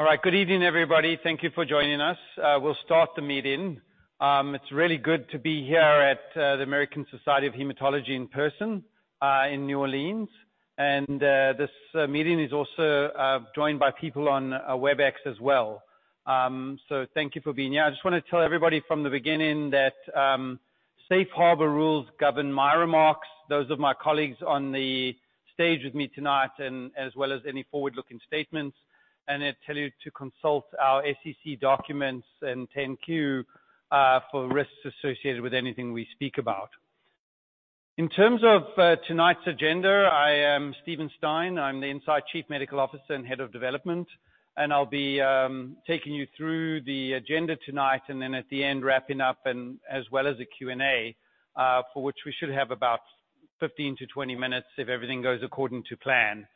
All right. Good evening, everybody. Thank you for joining us. We'll start the meeting. It's really good to be here at the American Society of Hematology in person in New Orleans. This meeting is also joined by people on Webex as well. Thank you for being here. I just wanna tell everybody from the beginning that safe harbor rules govern my remarks, those of my colleagues on the stage with me tonight and as well as any forward-looking statements. Tell you to consult our SEC documents and 10-Q for risks associated with anything we speak about. In terms of tonight's agenda, I am Steven Stein. I'm the Incyte Chief Medical Officer and Head of Development, I'll be taking you through the agenda tonight, then at the end, wrapping up and as well as a Q&A, for which we should have about 15-20 minutes if everything goes according to plan.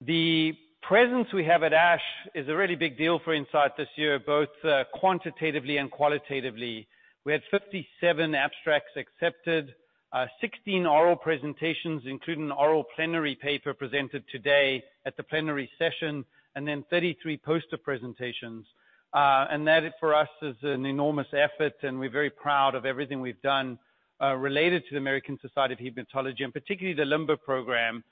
The presence we have at ASH is a really big deal for Incyte this year, both quantitatively and qualitatively. We had 57 abstracts accepted, 16 oral presentations, including an oral plenary paper presented today at the plenary session, then 33 poster presentations. That for us is an enormous effort, we're very proud of everything we've done, related to the American Society of Hematology, particularly the LIMBER program,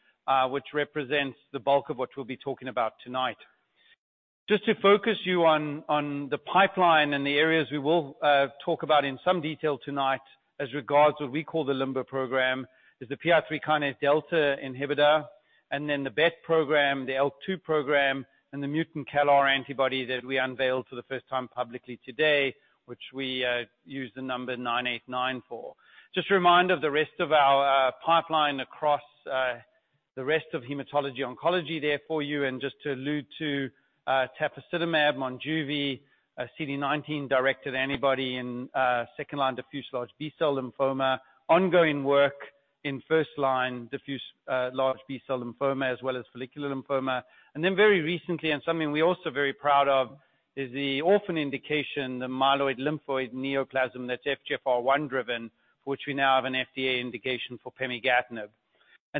which represents the bulk of what we'll be talking about tonight. Just to focus you on the pipeline and the areas we will talk about in some detail tonight as regards what we call the LIMBER program is the PI3Kδ inhibitor, and then the BET program, the ALK2 program, and the mutant CALR antibody that we unveiled for the first time publicly today, which we use the number INCA033989 for. Just a reminder of the rest of our pipeline across the rest of hematology oncology there for you, and just to allude to tafasitamab Monjuvi, a CD19-directed antibody in second-line diffuse large B-cell lymphoma, ongoing work in first-line diffuse large B-cell lymphoma, as well as follicular lymphoma. Very recently, and something we're also very proud of, is the orphan indication, the myeloid/lymphoid neoplasm that's FGFR1 driven, for which we now have an FDA indication for pemigatinib.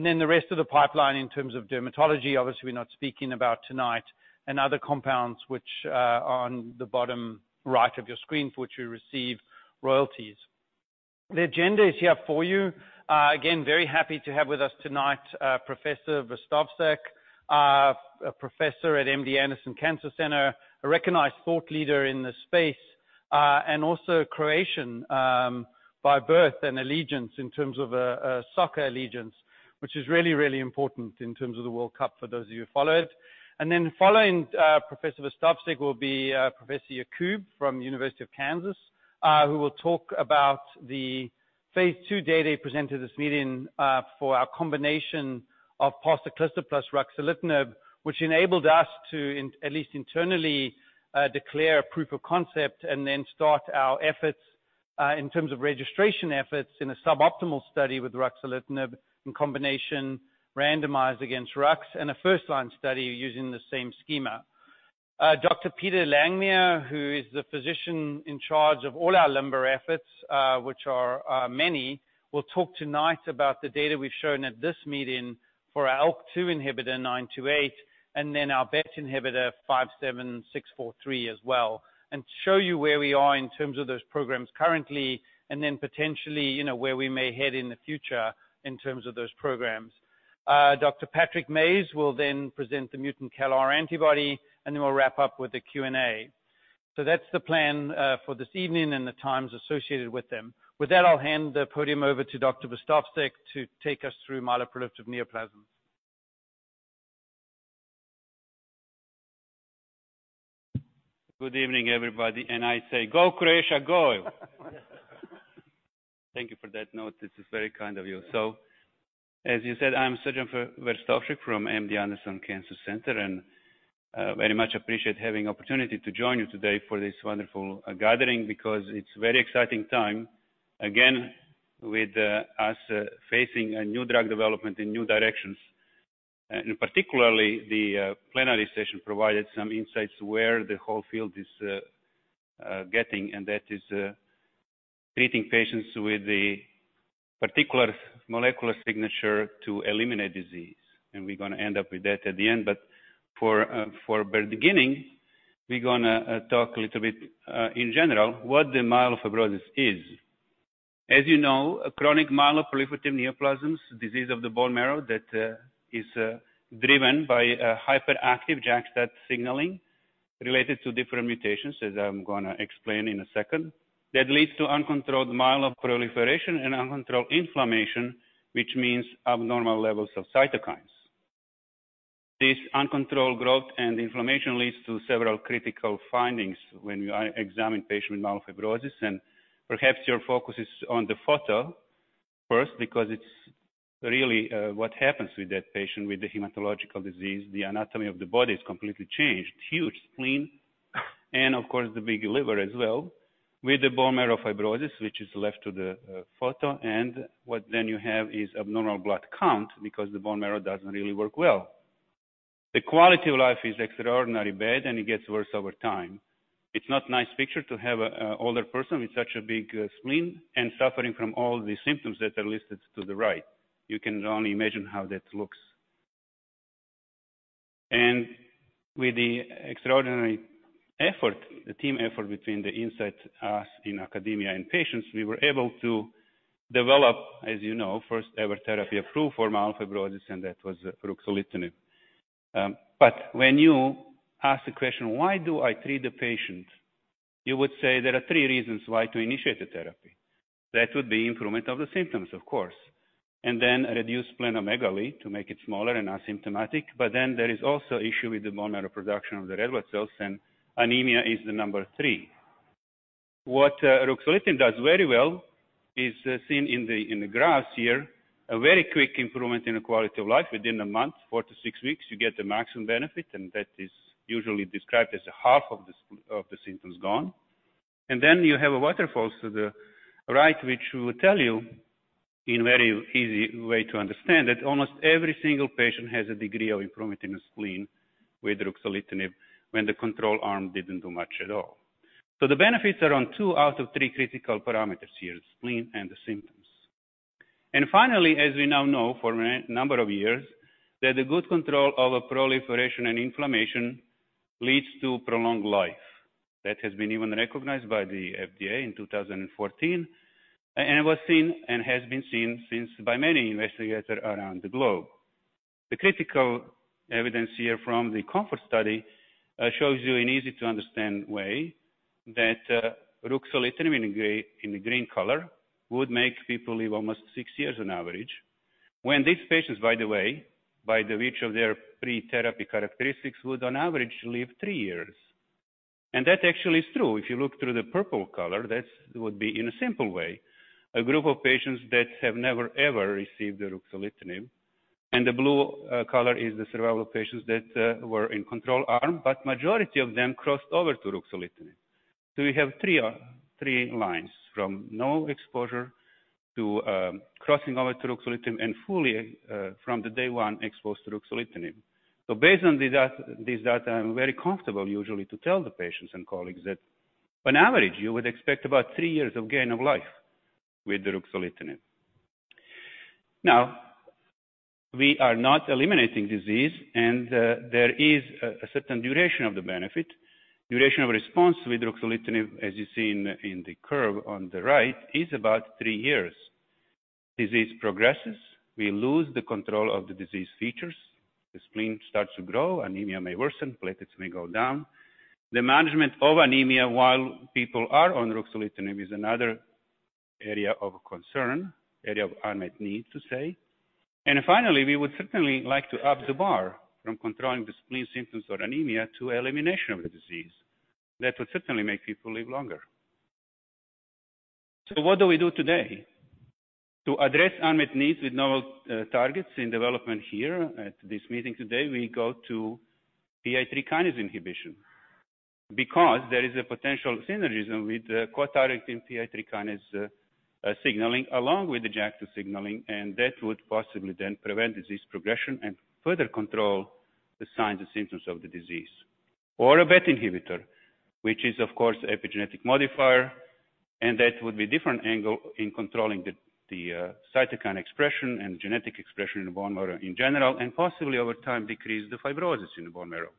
The rest of the pipeline in terms of dermatology, obviously we're not speaking about tonight, and other compounds which are on the bottom right of your screen for which we receive royalties. The agenda is here for you. Again, very happy to have with us tonight, Professor Verstovsek, a professor at MD Anderson Cancer Center, a recognized thought leader in this space, and also Croatian by birth and allegiance in terms of soccer allegiance, which is really, really important in terms of the World Cup, for those of you who follow it. Following Professor Verstovsek will be Professor Yacoub from University of Kansas, who will talk about the phase II data he presented this meeting for our combination of parsaclisib plus ruxolitinib, which enabled us to at least internally declare a proof of concept and then start our efforts in terms of registration efforts in a sub-optimal study with ruxolitinib in combination randomized against ruxolitinib and a first-line study using the same schema. Dr. Peter Langmuir, who is the physician in charge of all our LIMBER efforts, which are many, will talk tonight about the data we've shown at this meeting for our ALK2 inhibitor INCB000928, and then our BET inhibitor INCB057643 as well. Show you where we are in terms of those programs currently, potentially, you know, where we may head in the future in terms of those programs. Dr. Patrick Mayes will then present the mutant CALR antibody, we'll wrap up with the Q&A. That's the plan for this evening and the times associated with them. With that, I'll hand the podium over to Dr. Verstovsek to take us through myeloproliferative neoplasms. Good evening, everybody, and I say, "Go Croatia, go!" Thank you for that note. This is very kind of you. As you said, I'm Srdan Verstovsek from MD Anderson Cancer Center, and very much appreciate having opportunity to join you today for this wonderful gathering because it's very exciting time again with us facing a new drug development in new directions. Particularly the plenary session provided some insights where the whole field is getting, and that is treating patients with a particular molecular signature to eliminate disease. We're gonna end up with that at the end. For the beginning, we're gonna talk a little bit in general what the myelofibrosis is. As you know, chronic myeloproliferative neoplasms, disease of the bone marrow that is driven by a hyperactive JAK-STAT signaling related to different mutations, as I'm gonna explain in a second, that leads to uncontrolled myeloproliferation and uncontrolled inflammation, which means abnormal levels of cytokines. This uncontrolled growth and inflammation leads to several critical findings when you examine patient with myelofibrosis, and perhaps your focus is on the photo first because it's really what happens with that patient with the hematologic disease. The anatomy of the body is completely changed. Huge spleen and of course the big liver as well, with the bone marrow fibrosis, which is left to the photo. What then you have is abnormal blood count because the bone marrow doesn't really work well. The quality of life is extraordinarily bad and it gets worse over time. It's not nice picture to have a older person with such a big spleen and suffering from all the symptoms that are listed to the right. You can only imagine how that looks. With the extraordinary effort, the team effort between the Incyte, us in academia, and patients, we were able to develop, as you know, first-ever therapy approved for myelofibrosis, and that was ruxolitinib. When you ask the question: Why do I treat the patient? You would say there are three reasons why to initiate the therapy. That would be improvement of the symptoms, of course, and then a reduced splenomegaly to make it smaller and asymptomatic. There is also issue with the bone marrow production of the red blood cells, and anemia is the number three. What ruxolitinib does very well is seen in the graphs here, a very quick improvement in the quality of life. Within one month, four to six weeks, you get the maximum benefit, that is usually described as a half of the symptoms gone. You have a waterfalls to the right, which will tell you in very easy way to understand that almost every single patient has a degree of improvement in the spleen with ruxolitinib when the control arm didn't do much at all. The benefits are on two out of three critical parameters here, spleen and the symptoms. Finally, as we now know for a number of years, that a good control over proliferation and inflammation leads to prolonged life. That has been even recognized by the FDA in 2014 and was seen and has been seen since by many investigators around the globe. The critical evidence here from the COMFORT study shows you an easy to understand way that ruxolitinib in the green color would make people live almost six years on average. These patients, by the way, by the virtue of their pre-therapy characteristics, would on average live three years. That actually is true. If you look through the purple color, that's would be in a simple way, a group of patients that have never, ever received the ruxolitinib. The blue color is the survival of patients that were in control arm, but majority of them crossed over to ruxolitinib. We have three lines from no exposure to crossing over to ruxolitinib and fully from the day one exposed to ruxolitinib. Based on these data, I'm very comfortable usually to tell the patients and colleagues that on average, you would expect about three years of gain of life with the ruxolitinib. Now, we are not eliminating disease, there is a certain duration of the benefit. Duration of response with ruxolitinib, as you see in the curve on the right, is about three years. Disease progresses, we lose the control of the disease features. The spleen starts to grow, anemia may worsen, platelets may go down. The management of anemia while people are on ruxolitinib is another area of concern, area of unmet need to say. Finally, we would certainly like to up the bar from controlling the spleen symptoms or anemia to elimination of the disease. That would certainly make people live longer. What do we do today? To address unmet needs with novel targets in development here at this meeting today, we go to PI3 kinase inhibition. There is a potential synergism with co-targeting PI3 kinase signaling along with the JAK2 signaling, and that would possibly then prevent disease progression and further control the signs and symptoms of the disease. A BET inhibitor, which is of course epigenetic modifier, and that would be different angle in controlling the cytokine expression and genetic expression in the bone marrow in general, and possibly over time, decrease the fibrosis in the bone marrow.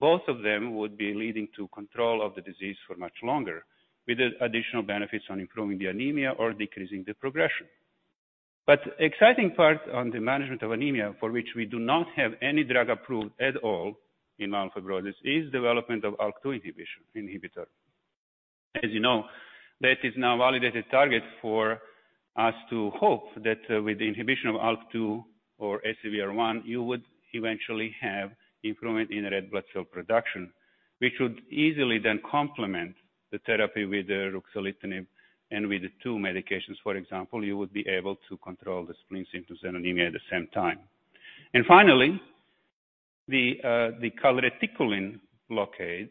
Both of them would be leading to control of the disease for much longer, with the additional benefits on improving the anemia or decreasing the progression. Exciting part on the management of anemia, for which we do not have any drug approved at all in myelofibrosis, is development of ALK2 inhibitor. As you know, that is now validated target for us to hope that, with the inhibition of ALK2 or ACVR1, you would eventually have improvement in the red blood cell production, which would easily then complement the therapy with the ruxolitinib and with the two medications, for example, you would be able to control the spleen symptoms and anemia at the same time. Finally, the calreticulin blockade,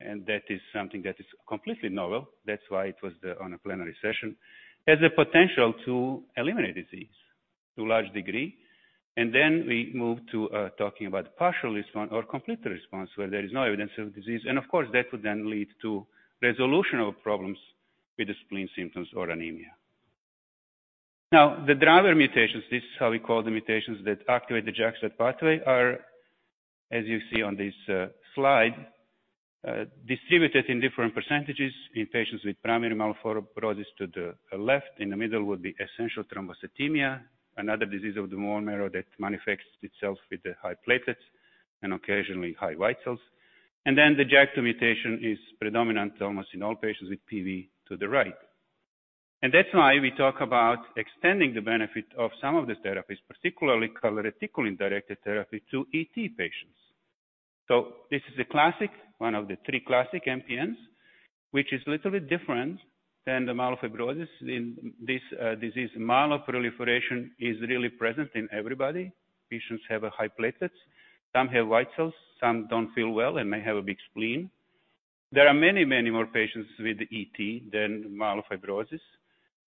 and that is something that is completely novel, that's why it was on a plenary session, has a potential to eliminate disease to a large degree. Then we move to talking about partial response or complete response, where there is no evidence of disease. Of course, that would then lead to resolution of problems with the spleen symptoms or anemia. Now, the driver mutations, this is how we call the mutations that activate the JAK-STAT pathway, are, as you see on this slide, distributed in different percentages in patients with primary myelofibrosis to the left. In the middle would be essential thrombocythemia, another disease of the bone marrow that manifests itself with the high platelets and occasionally high white cells. Then the JAK2 mutation is predominant almost in all patients with PV to the right. That's why we talk about extending the benefit of some of these therapies, particularly calreticulin-directed therapy to ET patients. This is a classic, one of the three classic MPNs, which is little bit different than the myelofibrosis in this disease. Myeloproliferation is really present in everybody. Patients have a high platelets. Some have white cells, some don't feel well and may have a big spleen. There are many, many more patients with ET than myelofibrosis.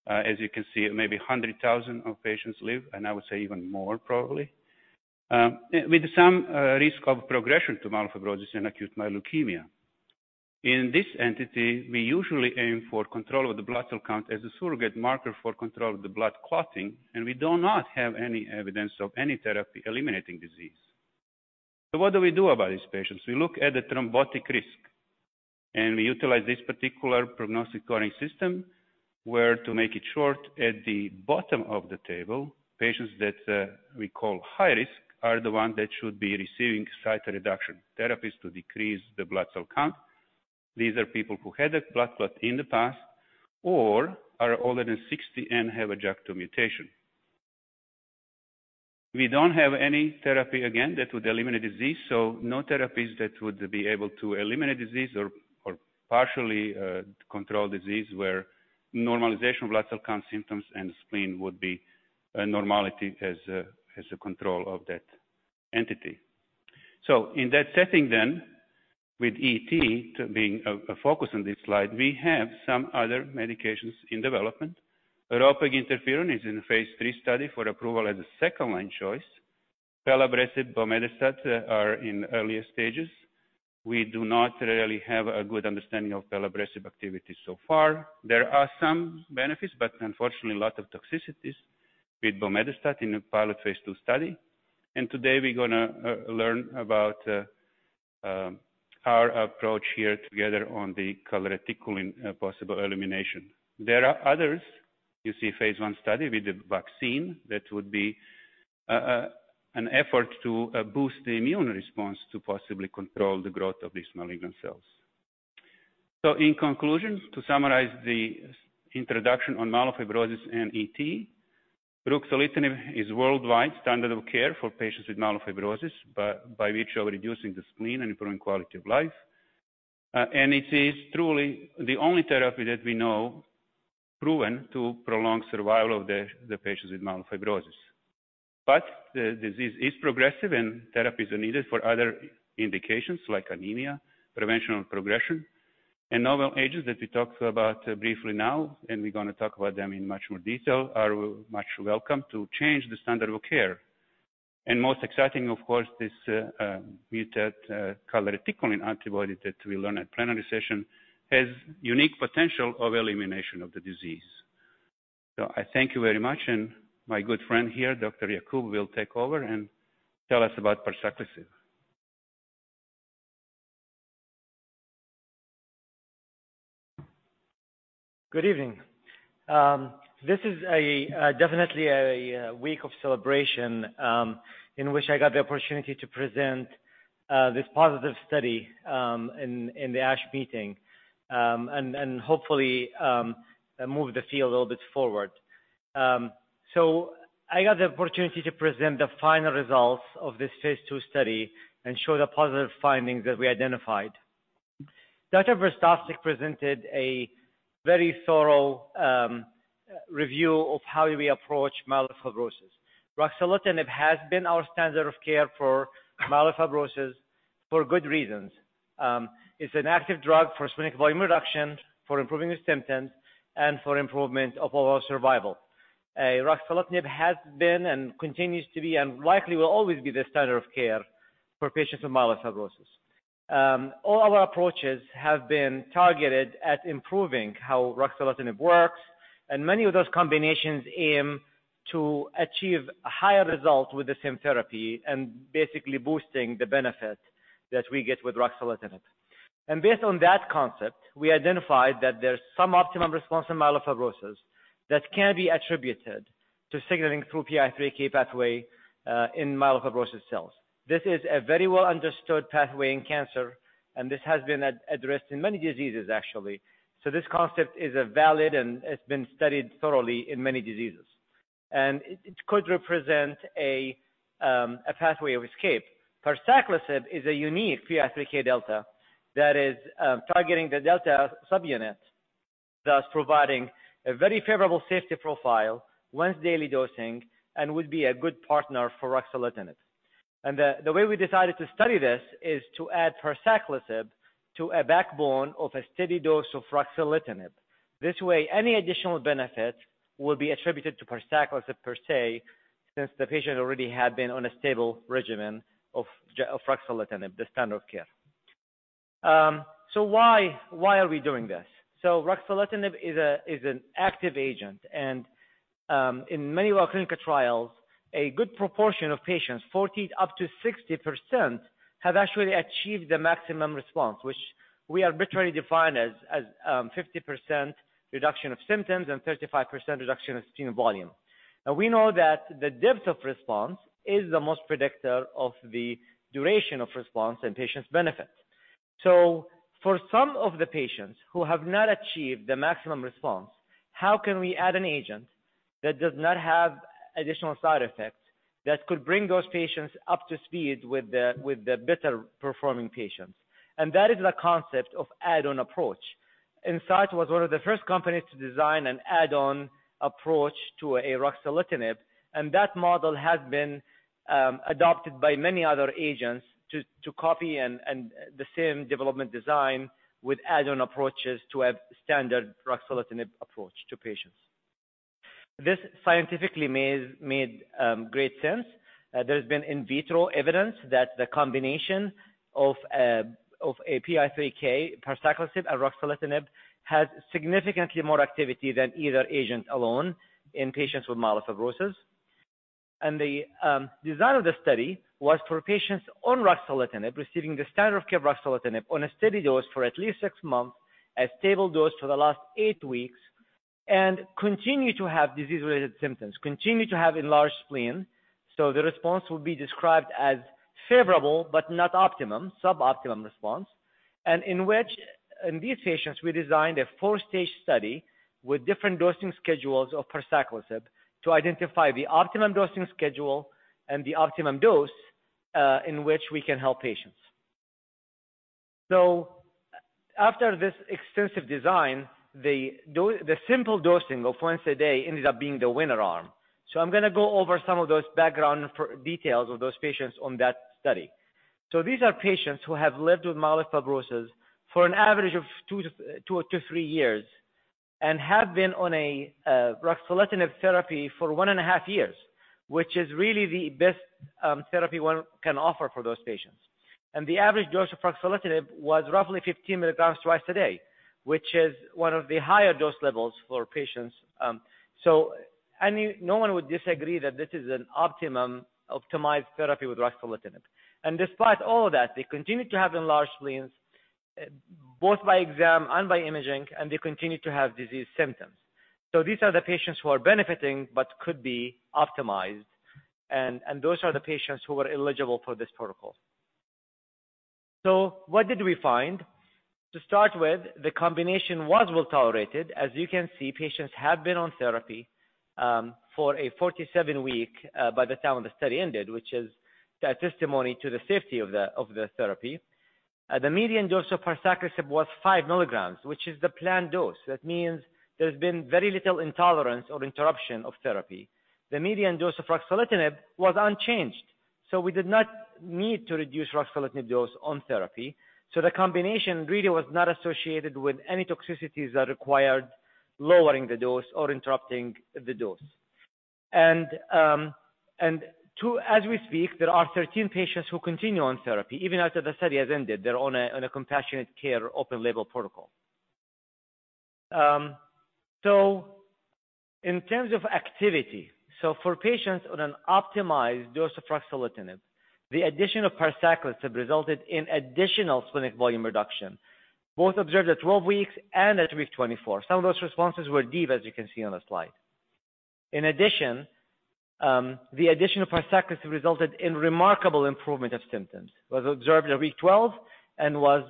As you can see, maybe 100,000 patients live, and I would say even more probably. With some risk of progression to myelofibrosis and acute myeloid leukemia. In this entity, we usually aim for control of the blood cell count as a surrogate marker for control of the blood clotting, and we do not have any evidence of any therapy eliminating disease. What do we do about these patients? We look at the thrombotic risk, and we utilize this particular prognostic scoring system, where to make it short, at the bottom of the table, patients that we call high risk are the ones that should be receiving cytoreduction therapies to decrease the blood cell count. These are people who had a blood clot in the past or are older than 60 and have a JAK2 mutation. We don't have any therapy again that would eliminate disease, so no therapies that would be able to eliminate disease or partially control disease where normalization of blood cell count symptoms and spleen would be a normality as a control of that entity. In that setting then, with ET being a focus on this slide, we have some other medications in development. Ropeginterferon alfa-2b is in a phase III study for approval as a second-line choice. Pelabresib, bomedemstat are in earlier stages. We do not really have a good understanding of pelabresib activity so far. There are some benefits, but unfortunately a lot of toxicities with bomedemstat in a pilot phase II study. Today we're gonna learn about our approach here together on the calreticulin possible elimination. There are others. You see phase I study with the vaccine that would be an effort to boost the immune response to possibly control the growth of these malignant cells. In conclusion, to summarize the introduction on myelofibrosis and ET, ruxolitinib is worldwide standard of care for patients with myelofibrosis by virtue of reducing the spleen and improving quality of life. It is truly the only therapy that we know proven to prolong survival of the patients with myelofibrosis. The disease is progressive, and therapies are needed for other indications like anemia, prevention of progression. Novel agents that we talked about briefly now, and we're gonna talk about them in much more detail, are much welcome to change the standard of care. Most exciting, of course, this mutant calreticulin antibody that we learn at plenary session has unique potential of elimination of the disease. I thank you very much, and my good friend here, Dr. Yacoub, will take over and tell us about parsaclisib. Good evening. This is a definitely a week of celebration, in which I got the opportunity to present this positive study, in the ASH meeting. Hopefully, move the field a little bit forward. I got the opportunity to present the final results of this phase II study and show the positive findings that we identified. Dr. Verstovsek presented a very thorough review of how we approach myelofibrosis. Ruxolitinib has been our standard of care for myelofibrosis for good reasons. It's an active drug for splenic volume reduction, for improving the symptoms, and for improvement of overall survival. Ruxolitinib has been and continues to be, and likely will always be the standard of care for patients with myelofibrosis. All our approaches have been targeted at improving how ruxolitinib works. Many of those combinations aim to achieve a higher result with the same therapy and basically boosting the benefit that we get with ruxolitinib. Based on that concept, we identified that there's some optimum response in myelofibrosis that can be attributed to signaling through PI3K pathway in myelofibrosis cells. This is a very well understood pathway in cancer. This has been addressed in many diseases actually. This concept is a valid, and it's been studied thoroughly in many diseases. It could represent a pathway of escape. Parsaclisib is a unique PI3Kδ that is targeting the delta subunit, thus providing a very favorable safety profile, once-daily dosing, and would be a good partner for ruxolitinib. The way we decided to study this is to add parsaclisib to a backbone of a steady dose of ruxolitinib. This way, any additional benefit will be attributed to parsaclisib per se, since the patient already had been on a stable regimen of ruxolitinib, the standard of care. Why, why are we doing this? Ruxolitinib is an active agent, and in many of our clinical trials, a good proportion of patients, 40% up to 60%, have actually achieved the maximum response, which we arbitrarily define as, 50% reduction of symptoms and 35% reduction of spleen volume. We know that the depth of response is the most predictor of the duration of response and patient's benefit. For some of the patients who have not achieved the maximum response, how can we add an agent that does not have additional side effects that could bring those patients up to speed with the, with the better-performing patients? That is the concept of add-on approach. Incyte was one of the first companies to design an add-on approach to a ruxolitinib, and that model has been adopted by many other agents to copy and the same development design with add-on approaches to a standard ruxolitinib approach to patients. This scientifically made great sense. There's been in vitro evidence that the combination of a PI3K, parsaclisib, and ruxolitinib has significantly more activity than either agent alone in patients with myelofibrosis. The design of the study was for patients on ruxolitinib, receiving the standard of care ruxolitinib on a steady dose for at least six months, a stable dose for the last eight weeks, and continue to have disease-related symptoms, continue to have enlarged spleen. The response will be described as favorable but not optimum, sub-optimum response. In these patients, we designed a four-stage study with different dosing schedules of parsaclisib to identify the optimum dosing schedule and the optimum dose, in which we can help patients. After this extensive design, the simple dosing of once a day ended up being the winner arm. I'm gonna go over some of those background for details of those patients on that study. These are patients who have lived with myelofibrosis for an average of two to three years and have been on a ruxolitinib therapy for one and a half years, which is really the best therapy one can offer for those patients. The average dose of ruxolitinib was roughly 15 mg twice a day, which is one of the higher dose levels for patients. No one would disagree that this is an optimum optimized therapy with ruxolitinib. Despite all of that, they continue to have enlarged spleens, both by exam and by imaging, and they continue to have disease symptoms. These are the patients who are benefiting but could be optimized, and those are the patients who were eligible for this protocol. What did we find? To start with, the combination was well-tolerated. As you can see, patients have been on therapy for a 47-week, by the time the study ended, which is a testimony to the safety of the, of the therapy. The median dose of parsaclisib was 5 mg, which is the planned dose. That means there's been very little intolerance or interruption of therapy. The median dose of ruxolitinib was unchanged, we did not need to reduce ruxolitinib dose on therapy. The combination really was not associated with any toxicities that required lowering the dose or interrupting the dose. Two, as we speak, there are 13 patients who continue on therapy even after the study has ended. They're on a, on a compassionate care open-label protocol. In terms of activity, for patients on an optimized dose of ruxolitinib, the addition of parsaclisib resulted in additional splenic volume reduction, both observed at 12 weeks and at week 24. Some of those responses were deep, as you can see on the slide. In addition, the addition of parsaclisib resulted in remarkable improvement of symptoms, was observed at week 12 and was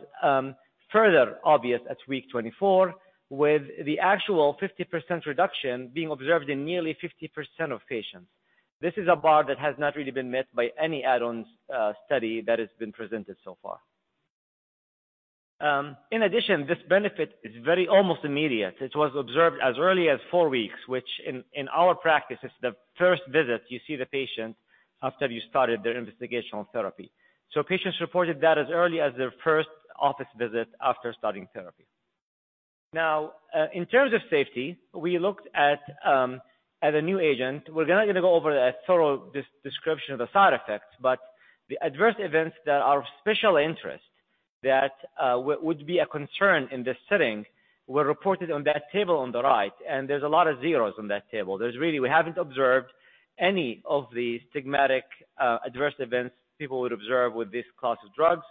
further obvious at week 24, with the actual 50% reduction being observed in nearly 50% of patients. This is a bar that has not really been met by any add-ons study that has been presented so far. In addition, this benefit is very almost immediate. It was observed as early as four weeks, which in our practice is the first visit you see the patient after you started their investigational therapy. Patients reported that as early as their first office visit after starting therapy. In terms of safety, we looked at a new agent. We're gonna go over a thorough description of the side effects, the adverse events that are of special interest that would be a concern in this setting were reported on that table on the right, there's a lot of zeros on that table. There's really we haven't observed any of the stigmatic adverse events people would observe with this class of drugs.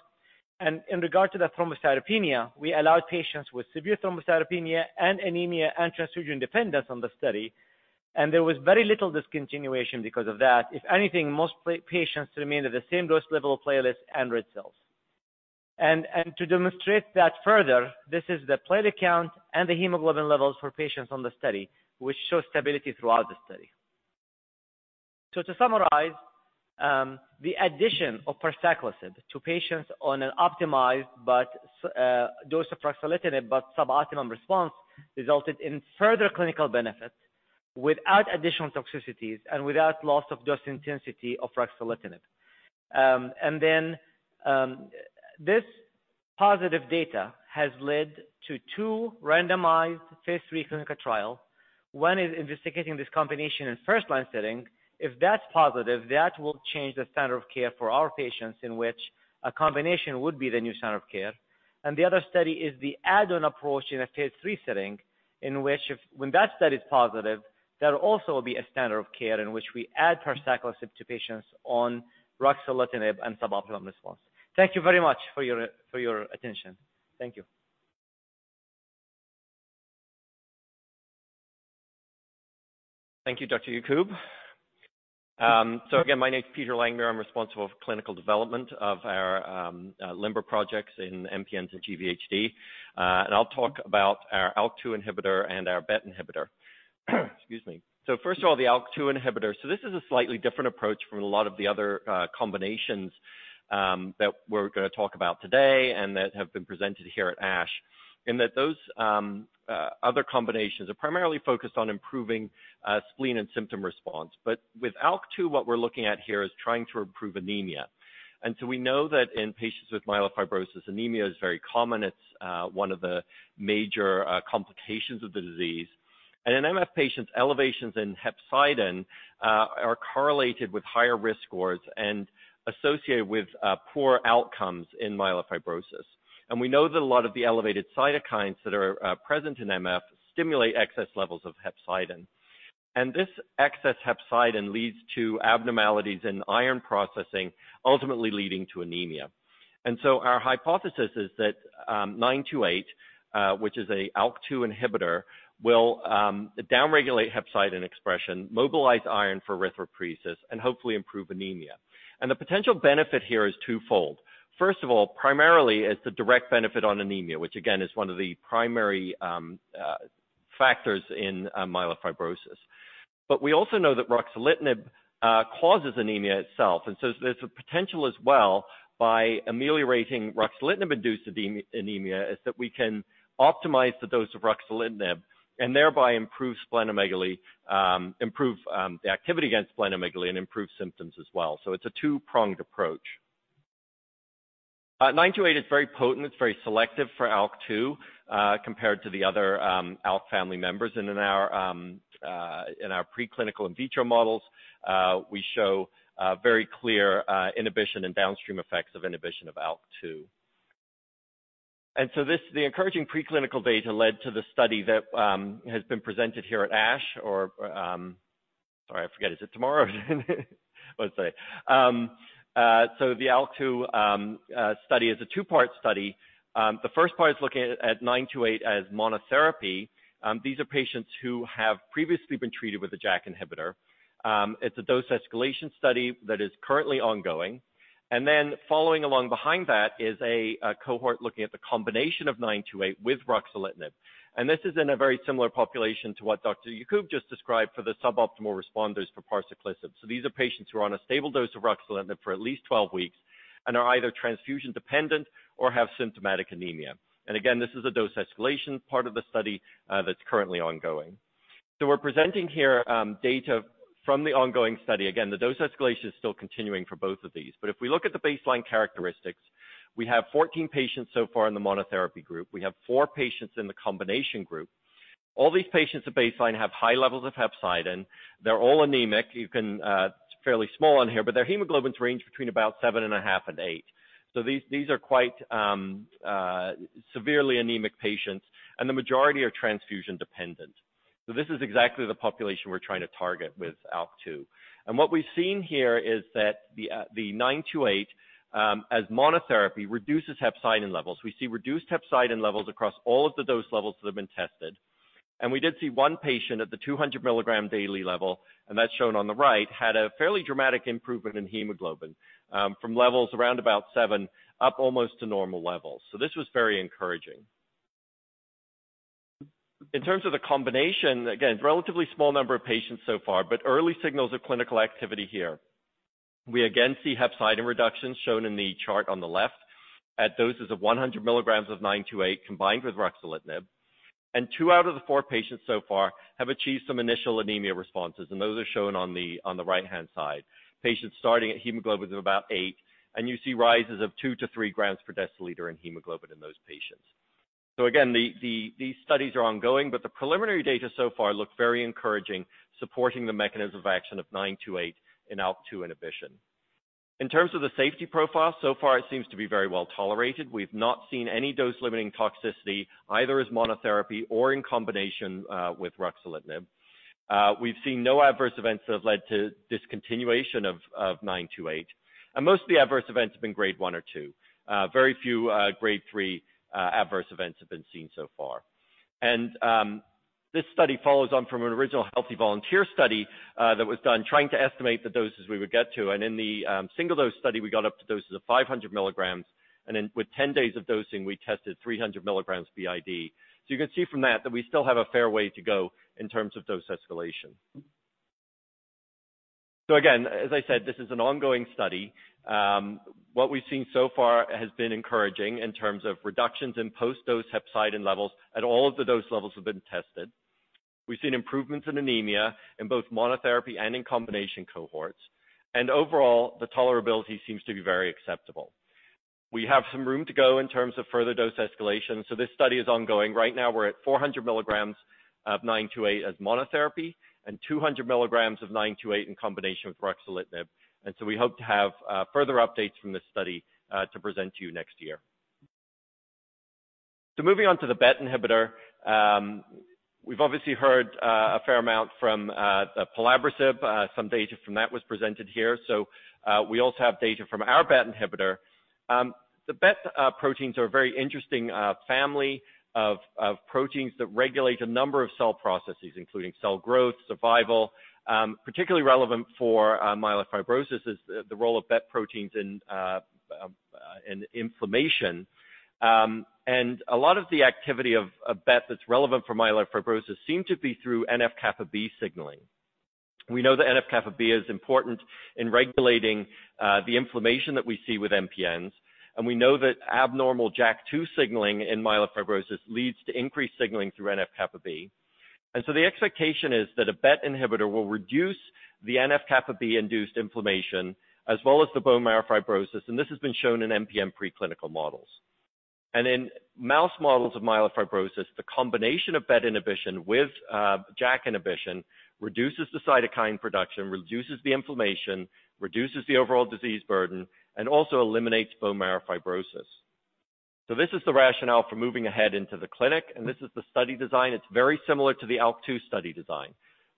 In regard to the thrombocytopenia, we allowed patients with severe thrombocytopenia and anemia and transfusion dependence on the study, there was very little discontinuation because of that. If anything, most patients remained at the same dose level, platelets, and red cells. To demonstrate that further, this is the platelet count and the hemoglobin levels for patients on the study, which show stability throughout the study. To summarize, the addition of parsaclisib to patients on an optimized but dose of ruxolitinib but sub-optimum response resulted in further clinical benefits without additional toxicities and without loss of dose intensity of ruxolitinib. This positive data has led to two randomized phase III clinical trial. One is investigating this combination in first line setting. If that's positive, that will change the standard of care for our patients, in which a combination would be the new standard of care. The other study is the add-on approach in a phase III setting, in which when that study is positive, there will also be a standard of care in which we add parsaclisib to patients on ruxolitinib and sub-optimum response. Thank you very much for your attention. Thank you. Thank you, Dr. Yacoub. Again, my name is Peter Langmuir. I'm responsible for clinical development of our LIMBER projects in MPNs and GVHD. I'll talk about our ALK2 inhibitor and our BET inhibitor. Excuse me. First of all, the ALK2 inhibitor. This is a slightly different approach from a lot of the other combinations that we're gonna talk about today and that have been presented here at ASH, in that those other combinations are primarily focused on improving spleen and symptom response. With ALK2, what we're looking at here is trying to improve anemia. We know that in patients with myelofibrosis, anemia is very common. It's one of the major complications of the disease. In MF patients, elevations in hepcidin are correlated with higher risk scores and associated with poor outcomes in myelofibrosis. We know that a lot of the elevated cytokines that are present in MF stimulate excess levels of hepcidin. This excess hepcidin leads to abnormalities in iron processing, ultimately leading to anemia. Our hypothesis is that INCB000928, which is a ALK2 inhibitor, will down-regulate hepcidin expression, mobilize iron for erythropoiesis, and hopefully improve anemia. The potential benefit here is twofold. First of all, primarily is the direct benefit on anemia, which again is one of the primary factors in myelofibrosis. We also know that ruxolitinib causes anemia itself, there's a potential as well by ameliorating ruxolitinib-induced anemia, is that we can optimize the dose of ruxolitinib and thereby improve splenomegaly, improve the activity against splenomegaly and improve symptoms as well. It's a two-pronged approach. INCB000928 is very potent. It's very selective for ALK2 compared to the other ALK family members. In our preclinical in vitro models, we show very clear inhibition and downstream effects of inhibition of ALK2. This, the encouraging preclinical data led to the study that has been presented here at ASH or... Sorry, I forget, is it tomorrow? What is it? So the ALK2 study is a two-part study. The first part is looking at INCB000928 as monotherapy. These are patients who have previously been treated with a JAK inhibitor. It's a dose escalation study that is currently ongoing. Following along behind that is a cohort looking at the combination of INCB000928 with ruxolitinib. This is in a very similar population to what Dr. Yacoub just described for the suboptimal responders for parsaclisib. These are patients who are on a stable dose of ruxolitinib for at least 12 weeks and are either transfusion-dependent or have symptomatic anemia. Again, this is a dose escalation part of the study that's currently ongoing. We're presenting here data from the ongoing study. Again, the dose escalation is still continuing for both of these. If we look at the baseline characteristics, we have 14 patients so far in the monotherapy group. We have four patients in the combination group. All these patients at baseline have high levels of hepcidin. They're all anemic. You can It's fairly small on here, but their hemoglobins range between about seven and a half and eight. These are quite severely anemic patients, and the majority are transfusion-dependent. This is exactly the population we're trying to target with ALK2. What we've seen here is that the INCB000928 as monotherapy reduces hepcidin levels. We see reduced hepcidin levels across all of the dose levels that have been tested. We did see one patient at the 200 mg daily level, and that's shown on the right, had a fairly dramatic improvement in hemoglobin, from levels around about 7 g/dL up almost to normal levels. This was very encouraging. In terms of the combination, again, it's a relatively small number of patients so far, but early signals of clinical activity here. We again see hepcidin reductions shown in the chart on the left at doses of 100 mg of INCB000928 combined with ruxolitinib. Two out of the four patients so far have achieved some initial anemia responses, and those are shown on the, on the right-hand side. Patients starting at hemoglobin of about 8 g/dL, and you see rises of 2 g/dL-3 g/dL in hemoglobin in those patients. Again, these studies are ongoing, the preliminary data so far look very encouraging, supporting the mechanism of action of INCB000928 in ALK2 inhibition. In terms of the safety profile, so far it seems to be very well tolerated. We've not seen any dose-limiting toxicity, either as monotherapy or in combination with ruxolitinib. We've seen no adverse events that have led to discontinuation of INCB000928. Most of the adverse events have been Grade 1 or 2. Very few Grade 3 adverse events have been seen so far. This study follows on from an original healthy volunteer study that was done trying to estimate the doses we would get to. In the single-dose study, we got up to doses of 500 mg, and then with 10 days of dosing, we tested 300 mg BID. You can see from that that we still have a fair way to go in terms of dose escalation. Again, as I said, this is an ongoing study. What we've seen so far has been encouraging in terms of reductions in post-dose hepcidin levels, and all of the dose levels have been tested. We've seen improvements in anemia in both monotherapy and in combination cohorts. Overall, the tolerability seems to be very acceptable. We have some room to go in terms of further dose escalation. This study is ongoing. Right now, we're at 400 mg of INCB000928 as monotherapy and 200 mg of INCB000928 in combination with ruxolitinib. We hope to have further updates from this study to present to you next year. Moving on to the BET inhibitor, we've obviously heard a fair amount from the pelabresib. Some data from that was presented here. We also have data from our BET inhibitor. The BET proteins are a very interesting family of proteins that regulate a number of cell processes, including cell growth, survival. Particularly relevant for myelofibrosis is the role of BET proteins in inflammation. A lot of the activity of BET that's relevant for myelofibrosis seem to be through NF-κB signaling. We know that NF-κB is important in regulating the inflammation that we see with MPNs, and we know that abnormal JAK2 signaling in myelofibrosis leads to increased signaling through NF-κB. The expectation is that a BET inhibitor will reduce the NF-κB-induced inflammation as well as the bone marrow fibrosis, and this has been shown in MPN preclinical models. In mouse models of myelofibrosis, the combination of BET inhibition with JAK inhibition reduces the cytokine production, reduces the inflammation, reduces the overall disease burden, and also eliminates bone marrow fibrosis. This is the rationale for moving ahead into the clinic, and this is the study design. It's very similar to the ALK2 study design.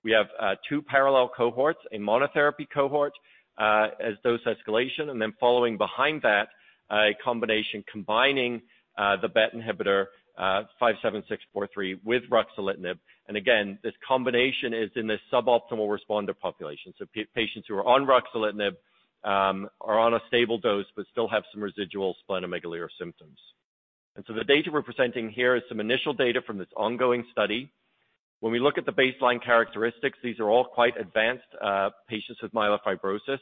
We have two parallel cohorts, a monotherapy cohort, as dose escalation, and then following behind that, a combination combining the BET inhibitor INCB057643 with ruxolitinib. Again, this combination is in this suboptimal responder population. Patients who are on ruxolitinib, are on a stable dose but still have some residual splenomegaly or symptoms. The data we're presenting here is some initial data from this ongoing study. When we look at the baseline characteristics, these are all quite advanced patients with myelofibrosis.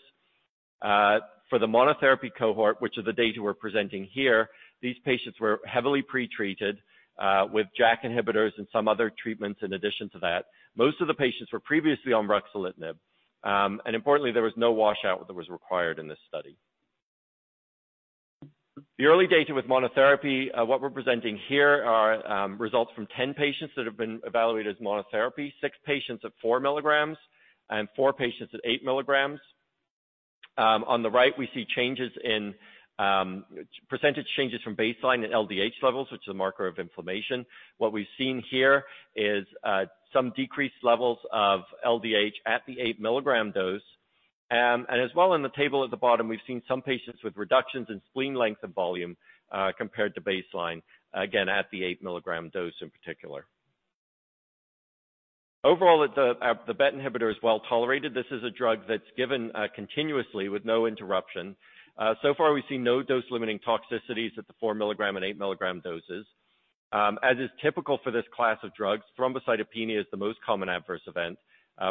For the monotherapy cohort, which is the data we're presenting here, these patients were heavily pre-treated with JAK inhibitors and some other treatments in addition to that. Most of the patients were previously on ruxolitinib. Importantly, there was no washout that was required in this study. The early data with monotherapy, what we're presenting here are results from 10 patients that have been evaluated as monotherapy, six patients at 4 mg and four patients at 8 mg. On the right, we see changes in percentage changes from baseline in LDH levels, which is a marker of inflammation. What we've seen here is some decreased levels of LDH at the 8 mg dose. As well in the table at the bottom, we've seen some patients with reductions in spleen length and volume compared to baseline, again, at the 8 mg dose in particular. Overall, the BET inhibitor is well-tolerated. This is a drug that's given continuously with no interruption. So far, we've seen no dose-limiting toxicities at the 4 mg and 8 mg doses. As is typical for this class of drugs, thrombocytopenia is the most common adverse event.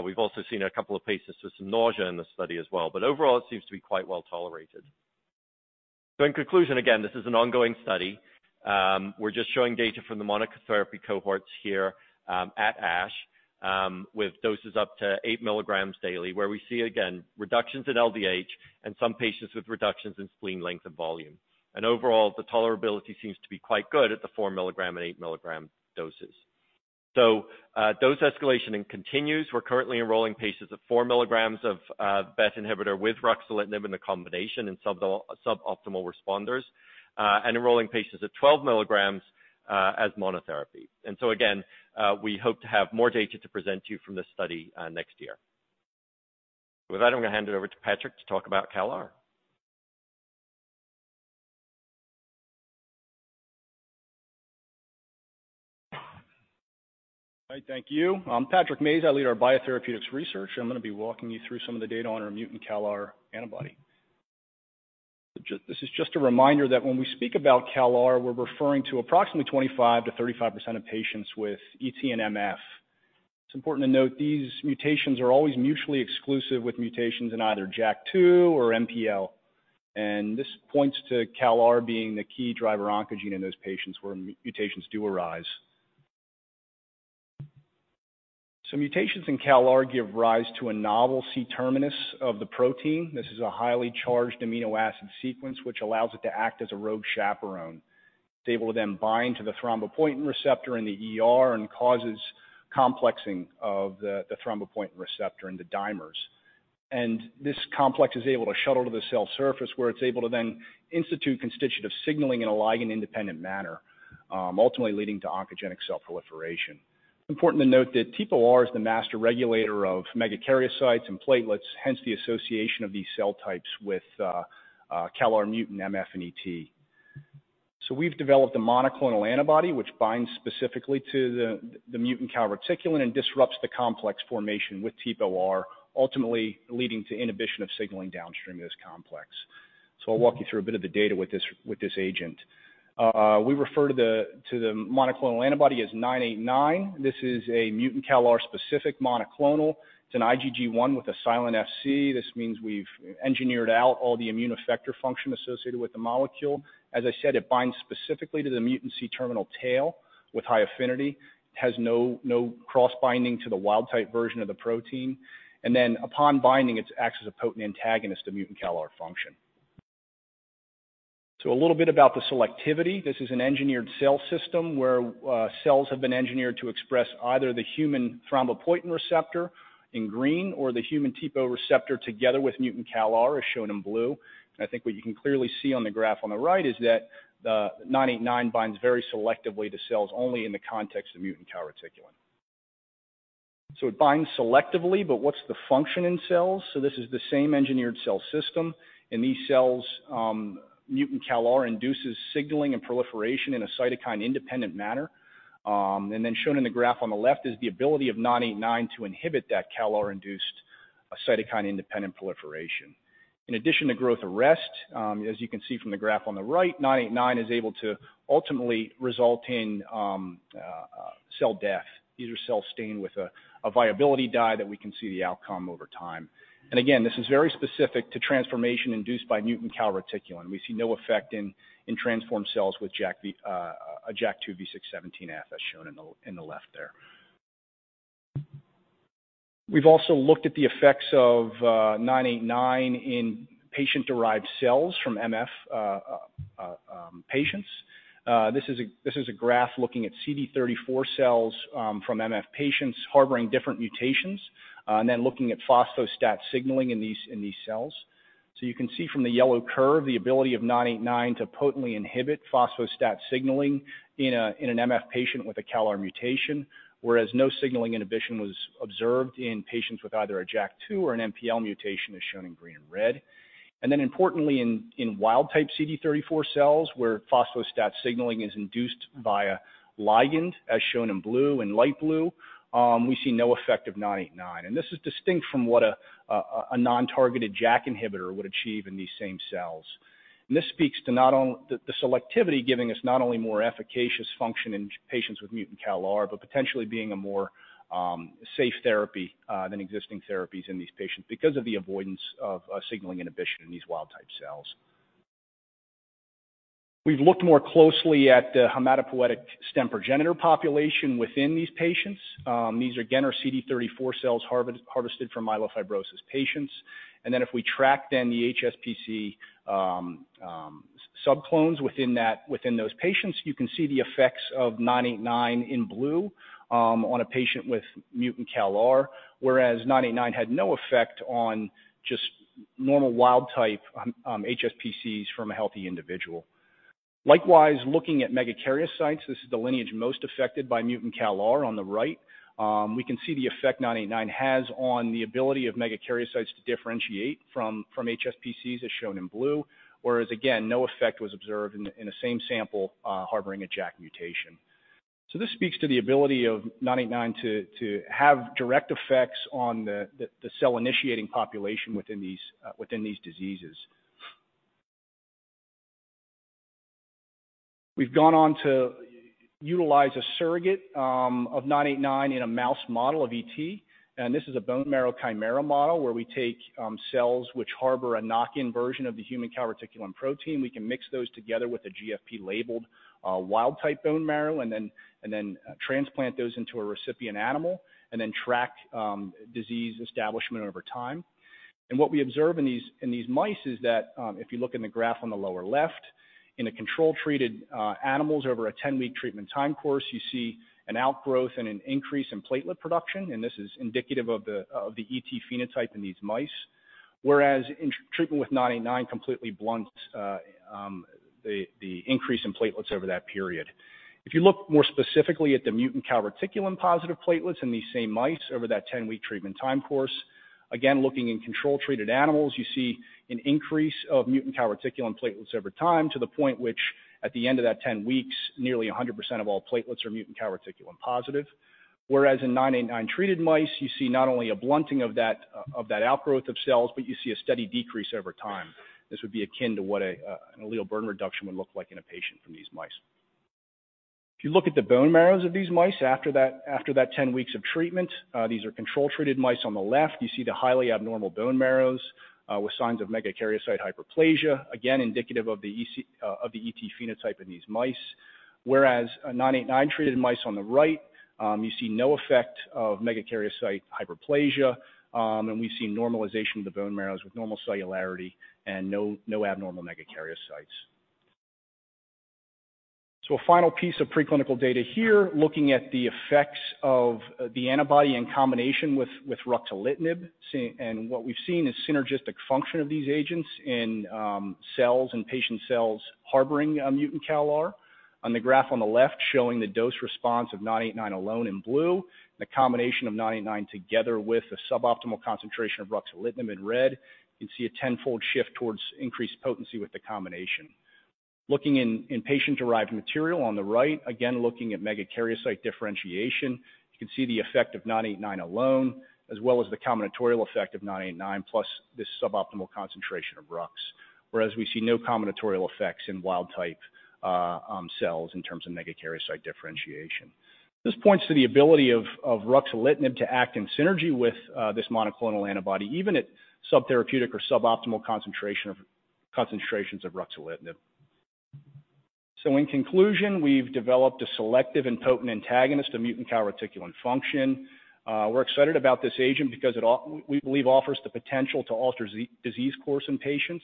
We've also seen a couple of cases with some nausea in the study as well, but overall, it seems to be quite well-tolerated. In conclusion, again, this is an ongoing study. We're just showing data from the monotherapy cohorts here at ASH with doses up to 8 mg daily, where we see again, reductions in LDH and some patients with reductions in spleen length and volume. Overall, the tolerability seems to be quite good at the 4 mg and 8 mg doses. Dose escalation continues. We're currently enrolling patients at 4 mg of BET inhibitor with ruxolitinib in the combination in suboptimal responders and enrolling patients at 12 mg as monotherapy. Again, we hope to have more data to present to you from this study next year. With that, I'm gonna hand it over to Patrick to talk about CALR. Thank you. I'm Patrick Mayes. I lead our biotherapeutics research. I'm gonna be walking you through some of the data on our mutant CALR antibody. This is just a reminder that when we speak about CALR, we're referring to approximately 25%-35% of patients with ET and MF. It's important to note these mutations are always mutually exclusive with mutations in either JAK2 or MPL. This points to CALR being the key driver oncogene in those patients where mutations do arise. Mutations in CALR give rise to a novel C-terminus of the protein. This is a highly charged amino acid sequence, which allows it to act as a rogue chaperone. It's able to then bind to the thrombopoietin receptor in the ER and causes complexing of the thrombopoietin receptor in the dimers. This complex is able to shuttle to the cell surface, where it's able to then institute constitutive signaling in a ligand-independent manner, ultimately leading to oncogenic cell proliferation. Important to note that TPOR is the master regulator of megakaryocytes and platelets, hence the association of these cell types with CALR mutant MF and ET. We've developed a monoclonal antibody which binds specifically to the mutant calreticulin and disrupts the complex formation with TPOR, ultimately leading to inhibition of signaling downstream of this complex. I'll walk you through a bit of the data with this agent. We refer to the monoclonal antibody as INCA033989. This is a mutant CALR-specific monoclonal. It's an IgG1 with a silent Fc. This means we've engineered out all the immune effector function associated with the molecule. As I said, it binds specifically to the mutant C-terminal tail with high affinity, has no cross-binding to the wild-type version of the protein. Upon binding, it acts as a potent antagonist of mutant CALR function. A little bit about the selectivity. This is an engineered cell system where cells have been engineered to express either the human thrombopoietin receptor in green or the human TPO receptor together with mutant CALR, as shown in blue. I think what you can clearly see on the graph on the right is that the INCA033989 binds very selectively to cells only in the context of mutant calreticulin. It binds selectively, but what's the function in cells? This is the same engineered cell system. In these cells, mutant CALR induces signaling and proliferation in a cytokine-independent manner. Shown in the graph on the left is the ability of INCA033989 to inhibit that CALR-induced cytokine-independent proliferation. In addition to growth arrest, as you can see from the graph on the right, INCA033989 is able to ultimately result in cell death. These are cells stained with a viability dye that we can see the outcome over time. Again, this is very specific to transformation induced by mutant calreticulin. We see no effect in transformed cells with JAK2 V617F, as shown in the left there. We've also looked at the effects of INCA033989 in patient-derived cells from MF patients. This is a graph looking at CD34 cells from MF patients harboring different mutations, and then looking at phospho-STAT signaling in these cells. You can see from the yellow curve the ability of INCA033989 to potently inhibit phospho-STAT signaling in an MF patient with a CALR mutation, whereas no signaling inhibition was observed in patients with either a JAK2 or an MPL mutation as shown in green and red. Importantly in wild-type CD34 cells, where phospho-STAT signaling is induced via ligand, as shown in blue and light blue, we see no effect of INCA033989. This is distinct from what a non-targeted JAK inhibitor would achieve in these same cells. This speaks to the selectivity giving us not only more efficacious function in patients with mutant CALR, but potentially being a more safe therapy than existing therapies in these patients because of the avoidance of a signaling inhibition in these wild-type cells. We've looked more closely at the hematopoietic stem progenitor population within these patients. These again are CD34 cells harvested from myelofibrosis patients. If we track then the HSPC subclones within that, within those patients, you can see the effects of INCA033989 in blue, on a patient with mutant CALR, whereas INCA033989 had no effect on just normal wild type HSPCs from a healthy individual. Likewise, looking at megakaryocytes, this is the lineage most affected by mutant CALR on the right. We can see the effect INCA033989 has on the ability of megakaryocytes to differentiate from HSPCs, as shown in blue. Again, no effect was observed in the same sample harboring a JAK mutation. This speaks to the ability of INCA033989 to have direct effects on the cell-initiating population within these diseases. We've gone on to utilize a surrogate of INCA033989 in a mouse model of ET. This is a bone marrow chimera model where we take cells which harbor a knock-in version of the human calreticulin protein. We can mix those together with a GFP-labeled wild-type bone marrow and then transplant those into a recipient animal and then track disease establishment over time. What we observe in these mice is that, if you look in the graph on the lower left, in a control-treated animals over a 10-week treatment time course, you see an outgrowth and an increase in platelet production, and this is indicative of the ET phenotype in these mice. Whereas in treatment with INCA033989 completely blunts the increase in platelets over that period. If you look more specifically at the mutant calreticulin-positive platelets in these same mice over that 10-week treatment time course, again, looking in control-treated animals, you see an increase of mutant calreticulin platelets over time to the point which at the end of that 10 weeks, nearly 100% of all platelets are mutant calreticulin positive. Whereas in INCA033989-treated mice, you see not only a blunting of that, of that outgrowth of cells, but you see a steady decrease over time. This would be akin to what an allele burden reduction would look like in a patient from these mice. If you look at the bone marrows of these mice after that, after that 10 weeks of treatment, these are control-treated mice on the left. You see the highly abnormal bone marrows, with signs of megakaryocyte hyperplasia, again indicative of the ET phenotype in these mice. Whereas a INCA033989-treated mice on the right, you see no effect of megakaryocyte hyperplasia, and we see normalization of the bone marrows with normal cellularity and no abnormal megakaryocytes. A final piece of preclinical data here, looking at the effects of the antibody in combination with ruxolitinib. What we've seen is synergistic function of these agents in cells and patient cells harboring a mutant CALR. On the graph on the left showing the dose response of INCA033989 alone in blue, the combination of INCA033989 together with a suboptimal concentration of ruxolitinib in red, you can see a 10-fold shift towards increased potency with the combination. Looking in patient-derived material on the right, again, looking at megakaryocyte differentiation, you can see the effect of INCA033989 alone, as well as the combinatorial effect of INCA033989, plus this suboptimal concentration of ruxolitinib. Whereas we see no combinatorial effects in wild type cells in terms of megakaryocyte differentiation. This points to the ability of ruxolitinib to act in synergy with this monoclonal antibody, even at subtherapeutic or suboptimal concentrations of ruxolitinib. In conclusion, we've developed a selective and potent antagonist of mutant calreticulin function. We're excited about this agent because we believe offers the potential to alter disease course in patients,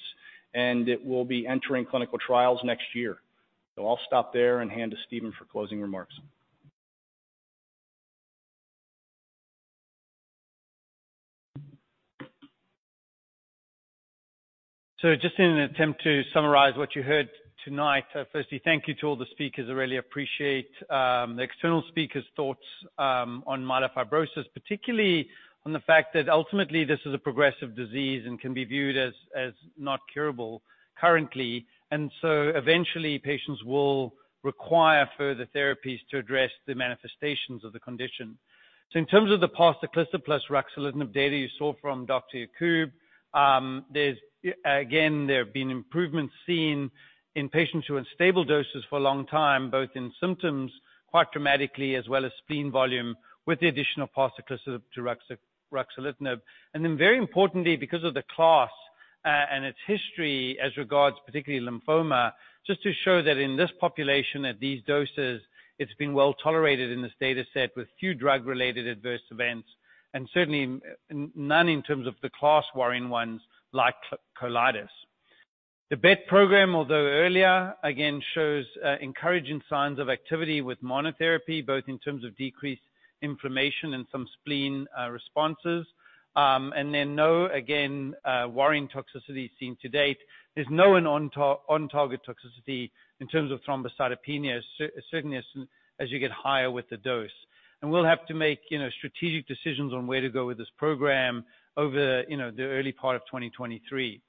and it will be entering clinical trials next year. I'll stop there and hand to Steven for closing remarks. Just in an attempt to summarize what you heard tonight, firstly, thank you to all the speakers. I really appreciate the external speakers' thoughts on myelofibrosis, particularly on the fact that ultimately this is a progressive disease and can be viewed as not curable currently. Eventually, patients will require further therapies to address the manifestations of the condition. In terms of the parsaclisib plus ruxolitinib data you saw from Dr. Yacoub, there have been improvements seen in patients who had stable doses for a long time, both in symptoms quite dramatically, as well as spleen volume with the additional parsaclisib to ruxolitinib. Very importantly, because of the class, and its history as regards particularly lymphoma, just to show that in this population at these doses, it's been well tolerated in this data set with few drug-related adverse events, and certainly none in terms of the class worrying ones like colitis. The BET program, although earlier, again, shows encouraging signs of activity with monotherapy, both in terms of decreased inflammation and some spleen responses. No, again, worrying toxicity seen to date. There's no on-target toxicity in terms of thrombocytopenia, certainly as you get higher with the dose. We'll have to make, you know, strategic decisions on where to go with this program over, you know, the early part of 2023.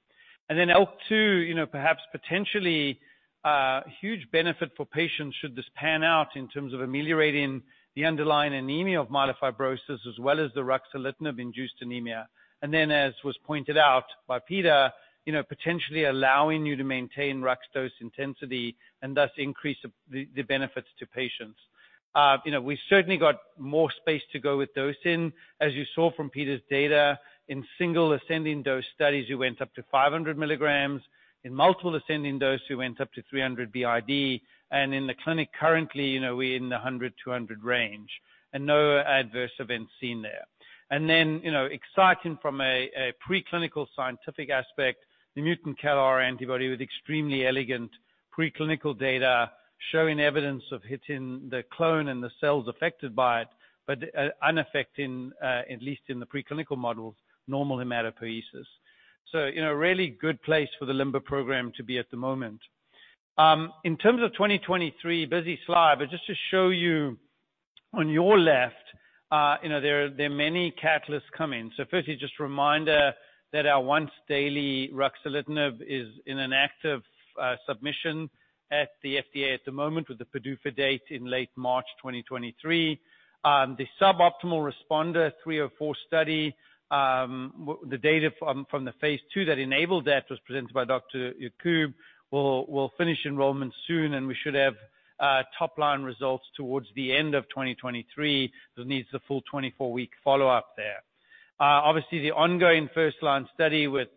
ALK2, you know, perhaps potentially huge benefit for patients should this pan out in terms of ameliorating the underlying anemia of myelofibrosis as well as the ruxolitinib-induced anemia. As was pointed out by Peter, you know, potentially allowing you to maintain ruxolitinib dose intensity and thus increase the benefits to patients. You know, we certainly got more space to go with dosing. As you saw from Peter's data, in single ascending dose studies, we went up to 500 mg. In multiple ascending dose, we went up to 300 mg BID. In the clinic currently, you know, we're in the 100 mg, 200 mg range, and no adverse events seen there. you know, exciting from a preclinical scientific aspect, the mutant CALR antibody with extremely elegant preclinical data showing evidence of hitting the clone and the cells affected by it, but unaffecting, at least in the preclinical models, normal hematopoiesis. you know, really good place for the LIMBER program to be at the moment. In terms of 2023, busy slide, but just to show you on your left, you know, there are many catalysts coming. Just a reminder that our once-daily ruxolitinib is in an active submission at the FDA at the moment with the PDUFA date in late March 2023. The suboptimal responder 304 study, the data from the phase II that enabled that was presented by Dr. Yacoub will finish enrollment soon, and we should have top-line results towards the end of 2023. It needs the full 24-week follow-up there. Obviously the ongoing first-line study with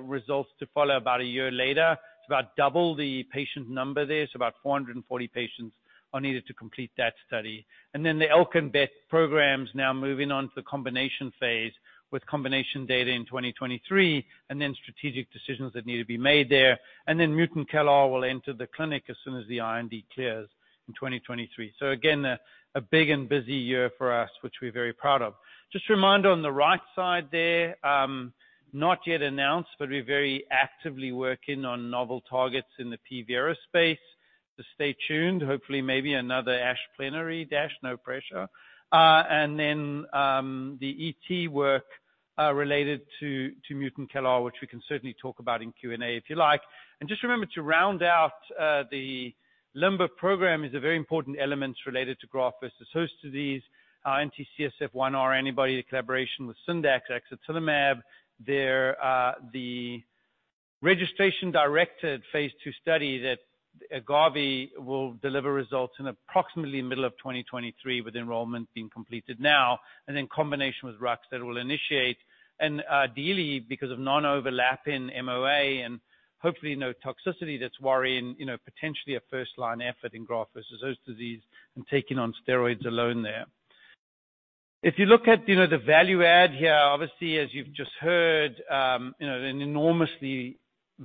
results to follow about a year later. It's about double the patient number there, so about 440 patients are needed to complete that study. Then the ALK2 and BET programs now moving on to the combination phase with combination data in 2023, and then strategic decisions that need to be made there. Then mutant CALR will enter the clinic as soon as the IND clears in 2023. Again, a big and busy year for us, which we're very proud of. Just a reminder on the right side there, not yet announced, but we're very actively working on novel targets in the polycythemia vera space. Stay tuned. Hopefully, maybe another ASH plenary dash, no pressure. Then, the ET work, related to mutant CALR, which we can certainly talk about in Q&A if you like. Just remember to round out, the LIMBER program is a very important element related to graft-versus-host disease, anti-CSF-1R antibody collaboration with Syndax axatilimab. Their, the registration-directed phase II study that, GRAVITAS will deliver results in approximately middle of 2023, with enrollment being completed now, then combination with ruxolitinib that will initiate. Ideally, because of non-overlapping MOA and hopefully no toxicity that's worrying, you know, potentially a first-line effort in graft-versus-host disease and taking on steroids alone there. If you look at, you know, the value add here, obviously as you've just heard, you know, an enormously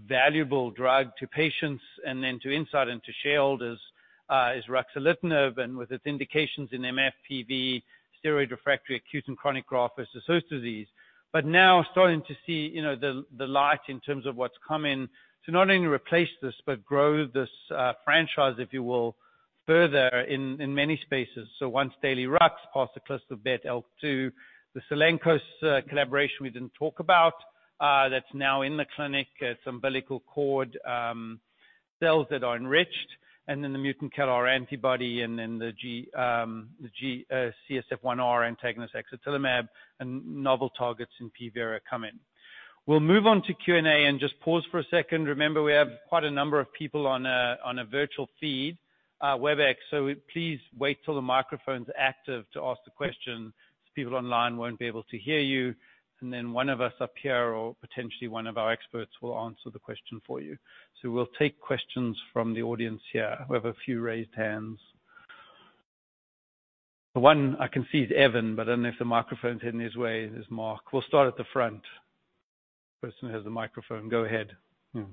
valuable drug to patients and then to Incyte and to shareholders, is ruxolitinib and with its indications in MF, PV, steroid-refractory acute and chronic graft-versus-host disease. Now starting to see, you know, the light in terms of what's coming to not only replace this, but grow this franchise, if you will, further in many spaces. Once daily ruxolitinib, parsaclisib, BET, ALK2, the Cellenkos collaboration we didn't talk about, that's now in the clinic. It's umbilical cord cells that are enriched, and then the mutant CALR antibody and then the CSF1R antagonist axatilimab and novel targets in polycythemia vera coming. We'll move on to Q&A and just pause for a second. Remember, we have quite a number of people on a virtual feed, WebEx. Please wait till the microphone's active to ask the question, so people online won't be able to hear you. Then one of us up here or potentially one of our experts will answer the question for you. We'll take questions from the audience here. We have a few raised hands. The one I can see is Evan, but I don't know if the microphone's in his way. There's Marc. We'll start at the front. Person who has the microphone, go ahead. Yeah.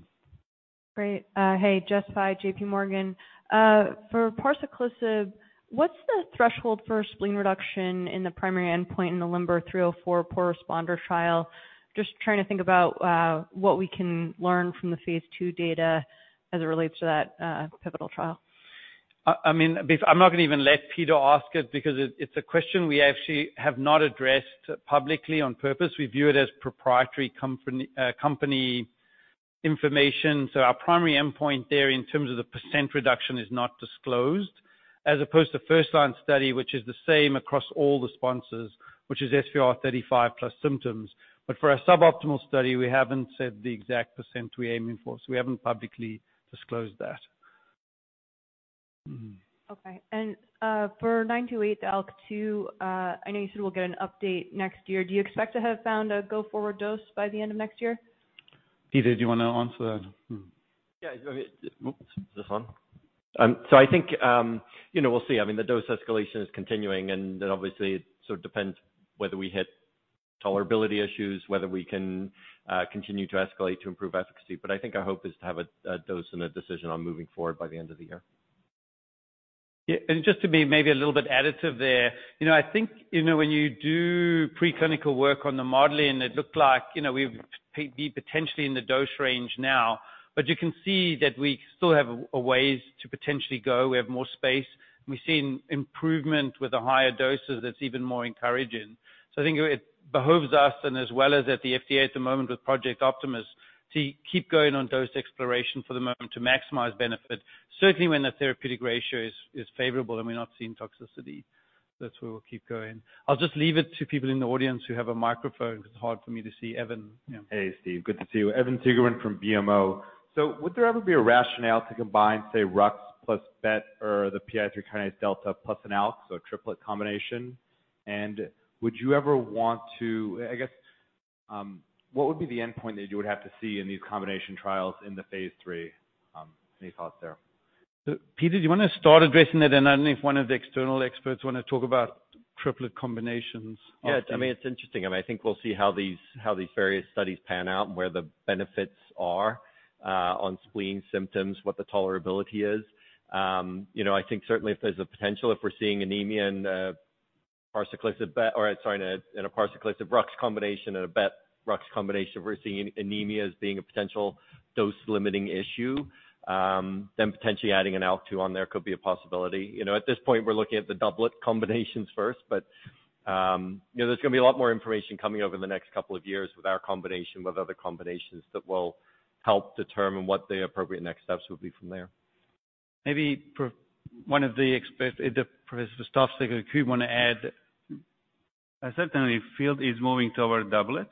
Great. Hey, Jess Fye, JPMorgan. For parsaclisib, what's the threshold for spleen reduction in the primary endpoint in the LIMBER-304 poor responder trial? Just trying to think about, what we can learn from the phase II data as it relates to that, pivotal trial. I mean, I'm not gonna even let Peter ask it because it's a question we actually have not addressed publicly on purpose. We view it as proprietary company information. Our primary endpoint there in terms of the percent reduction is not disclosed, as opposed to first line study, which is the same across all the sponsors, which is SVR35 plus symptoms. For our suboptimal study, we haven't said the exact percent we're aiming for, so we haven't publicly disclosed that. Okay. For INCB000928, the ALK2, I know you said we'll get an update next year. Do you expect to have found a go forward dose by the end of next year? Peter, do you wanna answer that? Yeah. Is this on? I think, you know, we'll see. I mean, the dose escalation is continuing, obviously it sort of depends whether we hit tolerability issues, whether we can continue to escalate to improve efficacy. I think our hope is to have a dose and a decision on moving forward by the end of the year. Yeah. Just to be maybe a little bit additive there, you know, I think, you know, when you do preclinical work on the modeling, it looked like, you know, we've potentially in the dose range now, but you can see that we still have a ways to potentially go. We have more space, and we've seen improvement with the higher doses that's even more encouraging. I think it behooves us and as well as at the FDA at the moment with Project Optimus, to keep going on dose exploration for the moment to maximize benefit. Certainly, when the therapeutic ratio is favorable and we're not seeing toxicity, that's where we'll keep going. I'll just leave it to people in the audience who have a microphone because it's hard for me to see. Evan? Yeah. Hey, Steve. Good to see you. Evan Seigerman from BMO. Would there ever be a rationale to combine, say, ruxolitinib plus BET or the PI3Kδ plus an ALK2, so a triplet combination? I guess, what would be the endpoint that you would have to see in these combination trials in the phase III? Any thoughts there? Peter, do you wanna start addressing that? I don't know if one of the external experts wanna talk about triplet combinations of-. Yeah. To me it's interesting. I mean, I think we'll see how these various studies pan out and where the benefits are on spleen symptoms, what the tolerability is. You know, I think certainly if there's a potential if we're seeing anemia and parsaclisib or sorry, in a parsaclisib ruxolitinib combination and a BET/RUX combination, we're seeing anemia as being a potential dose-limiting issue, then potentially adding an ALK2 on there could be a possibility. You know, at this point, we're looking at the doublet combinations first, but, you know, there's gonna be a lot more information coming over the next couple of years with our combination, with other combinations that will help determine what the appropriate next steps would be from there. Maybe for one of the expert... If Professor Verstovsek, if you'd wanna add. I certainly feel it's moving toward doublets.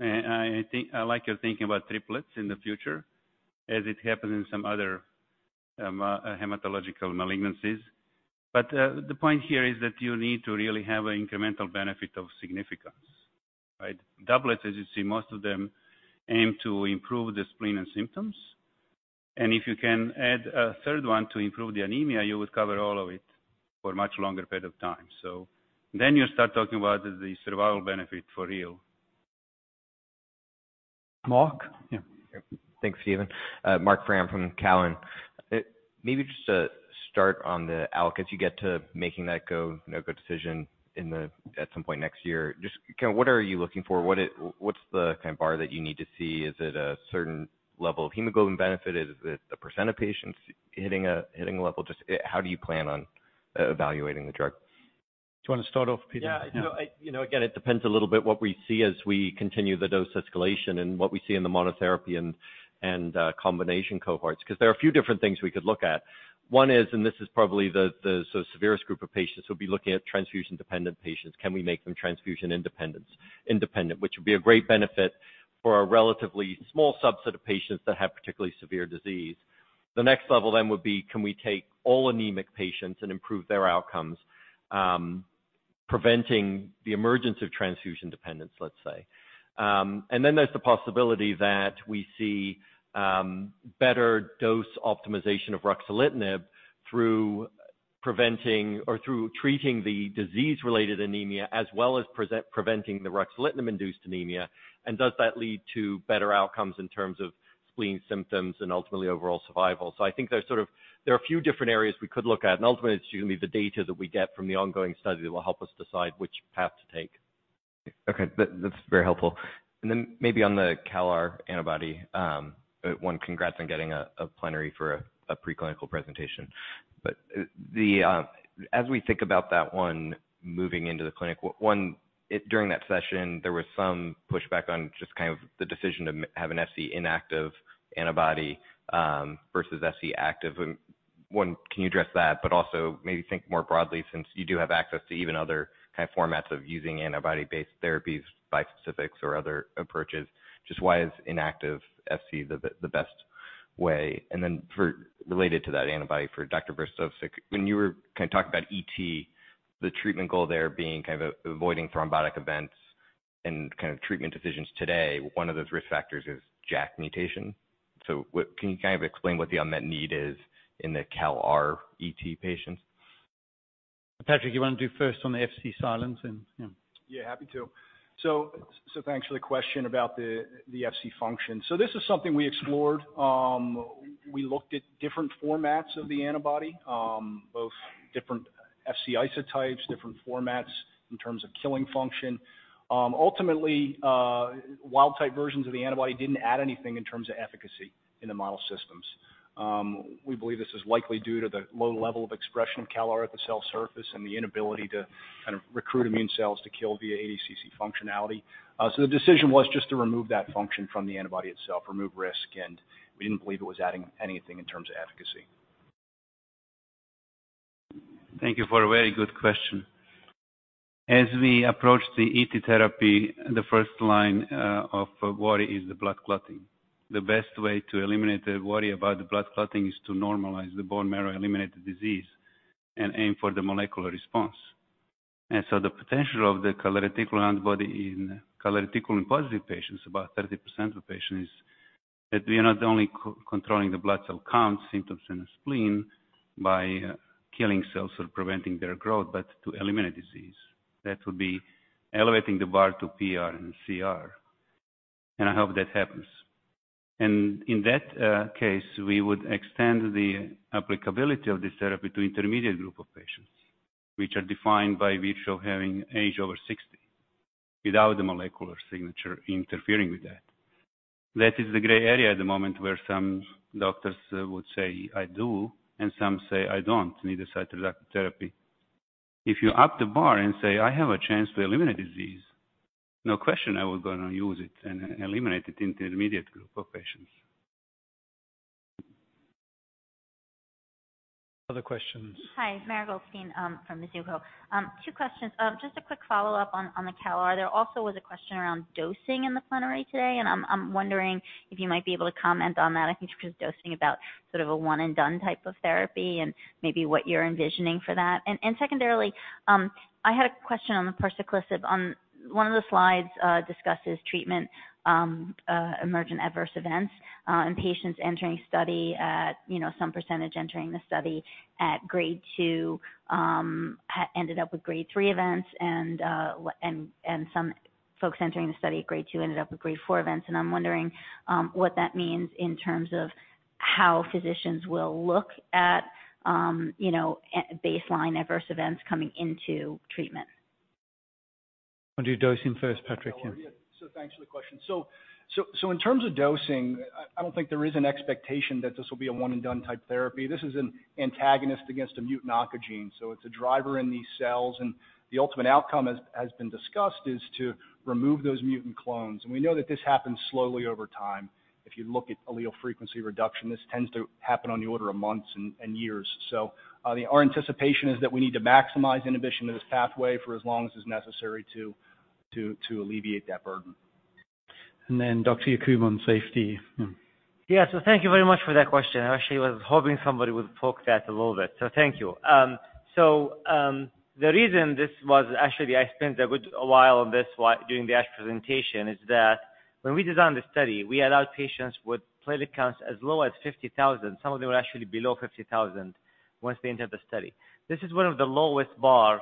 I like your thinking about triplets in the future as it happened in some other hematologic malignancies. The point here is that you need to really have an incremental benefit of significance, right? Doublets, as you see, most of them aim to improve the spleen and symptoms. If you can add a third one to improve the anemia, you would cover all of it for a much longer period of time. You start talking about the survival benefit for real. Marc? Yeah. Thanks, Steven. Marc Frahm from Cowen. Maybe just to start on the ALK, as you get to making that go, no go decision at some point next year, just kinda what are you looking for? What's the kind of bar that you need to see? Is it a certain level of hemoglobin benefit? Is it a percent of patients hitting a level? Just how do you plan on evaluating the drug? Do you wanna start off, Peter? Yeah. You know, again, it depends a little bit what we see as we continue the dose escalation and what we see in the monotherapy and combination cohorts, 'cause there are a few different things we could look at. One is, and this is probably the sort of severest group of patients, we'll be looking at transfusion-dependent patients. Can we make them transfusion independent, which would be a great benefit for a relatively small subset of patients that have particularly severe disease. The next level then would be, can we take all anemic patients and improve their outcomes, preventing the emergence of transfusion dependence, let's say. Then there's the possibility that we see better dose optimization of ruxolitinib through preventing or through treating the disease-related anemia as well as preventing the ruxolitinib-induced anemia, and does that lead to better outcomes in terms of spleen symptoms and ultimately overall survival? I think there's sort of, there are a few different areas we could look at, and ultimately, it's gonna be the data that we get from the ongoing study that will help us decide which path to take. Okay. That, that's very helpful. Maybe on the CALR antibody, one, congrats on getting a plenary for a preclinical presentation. The... As we think about that one moving into the clinic, one, during that session, there was some pushback on just kind of the decision to have an Fc-inactive antibody versus Fc-active. One, can you address that? Also maybe think more broadly, since you do have access to even other kind of formats of using antibody-based therapies, bispecifics or other approaches, just why is inactive Fc the best way? For... related to that antibody for Dr. Verstovsek, when you were kind of talking about ET, the treatment goal there being kind of avoiding thrombotic events and kind of treatment decisions today, one of those risk factors is JAK mutation. Can you kind of explain what the unmet need is in the CALR ET patients? Patrick, you wanna do first on the Fc silence. Yeah. Happy to. Thanks for the question about the Fc function. This is something we explored. We looked at different formats of the antibody, both different Fc isotypes, different formats in terms of killing function. Ultimately, wild type versions of the antibody didn't add anything in terms of efficacy in the model systems. We believe this is likely due to the low level of expression of CALR at the cell surface and the inability to recruit immune cells to kill via ADCC functionality. The decision was just to remove that function from the antibody itself, remove risk, and we didn't believe it was adding anything in terms of efficacy. Thank you for a very good question. As we approach the ET therapy, the first line of worry is the blood clotting. The best way to eliminate the worry about the blood clotting is to normalize the bone marrow, eliminate the disease, and aim for the molecular response. The potential of the calreticulin antibody in calreticulin-positive patients, about 30% of the patients, that we are not only co-controlling the blood cell count symptoms in the spleen by killing cells or preventing their growth, but to eliminate disease. That would be elevating the bar to PR and CR, and I hope that happens. In that case, we would extend the applicability of this therapy to intermediate group of patients, which are defined by virtual having age over 60 without the molecular signature interfering with that. That is the gray area at the moment where some doctors would say I do, and some say I don't need a cytoreductive therapy. If you up the bar and say, I have a chance to eliminate disease, no question I was gonna use it and eliminate it in the intermediate group of patients. Other questions? Hi, Mara Goldstein, from Mizuho. Two questions. Just a quick follow-up on the CALR. There also was a question around dosing in the plenary today, and I'm wondering if you might be able to comment on that. I think just dosing about sort of a one and done type of therapy and maybe what you're envisioning for that. Secondarily, I had a question on the parsaclisib. One of the slides discusses treatment emergent adverse events, and patients entering study at, you know, some percentage entering the study at Grade 2, ended up with Grade 3 events and some folks entering the study at Grade 2 ended up with Grade 4 events. I'm wondering, what that means in terms of how physicians will look at, you know, baseline adverse events coming into treatment. Why don't you dosing first, Patrick? Yeah. Thanks for the question. In terms of dosing, I don't think there is an expectation that this will be a one and done type therapy. This is an antagonist against a mutant oncogene. It's a driver in these cells, and the ultimate outcome as been discussed, is to remove those mutant clones. We know that this happens slowly over time. If you look at allele frequency reduction, this tends to happen on the order of months and years. Our anticipation is that we need to maximize inhibition of this pathway for as long as is necessary to alleviate that burden. Dr. Yacoub on safety. Hmm. Yeah. Thank you very much for that question. I actually was hoping somebody would poke that a little bit. Thank you. The reason this was actually I spent a good while on this during the ASH presentation is that when we designed the study, we allowed patients with platelet counts as low as 50,000. Some of them were actually below 50,000 once they entered the study. This is one of the lowest bar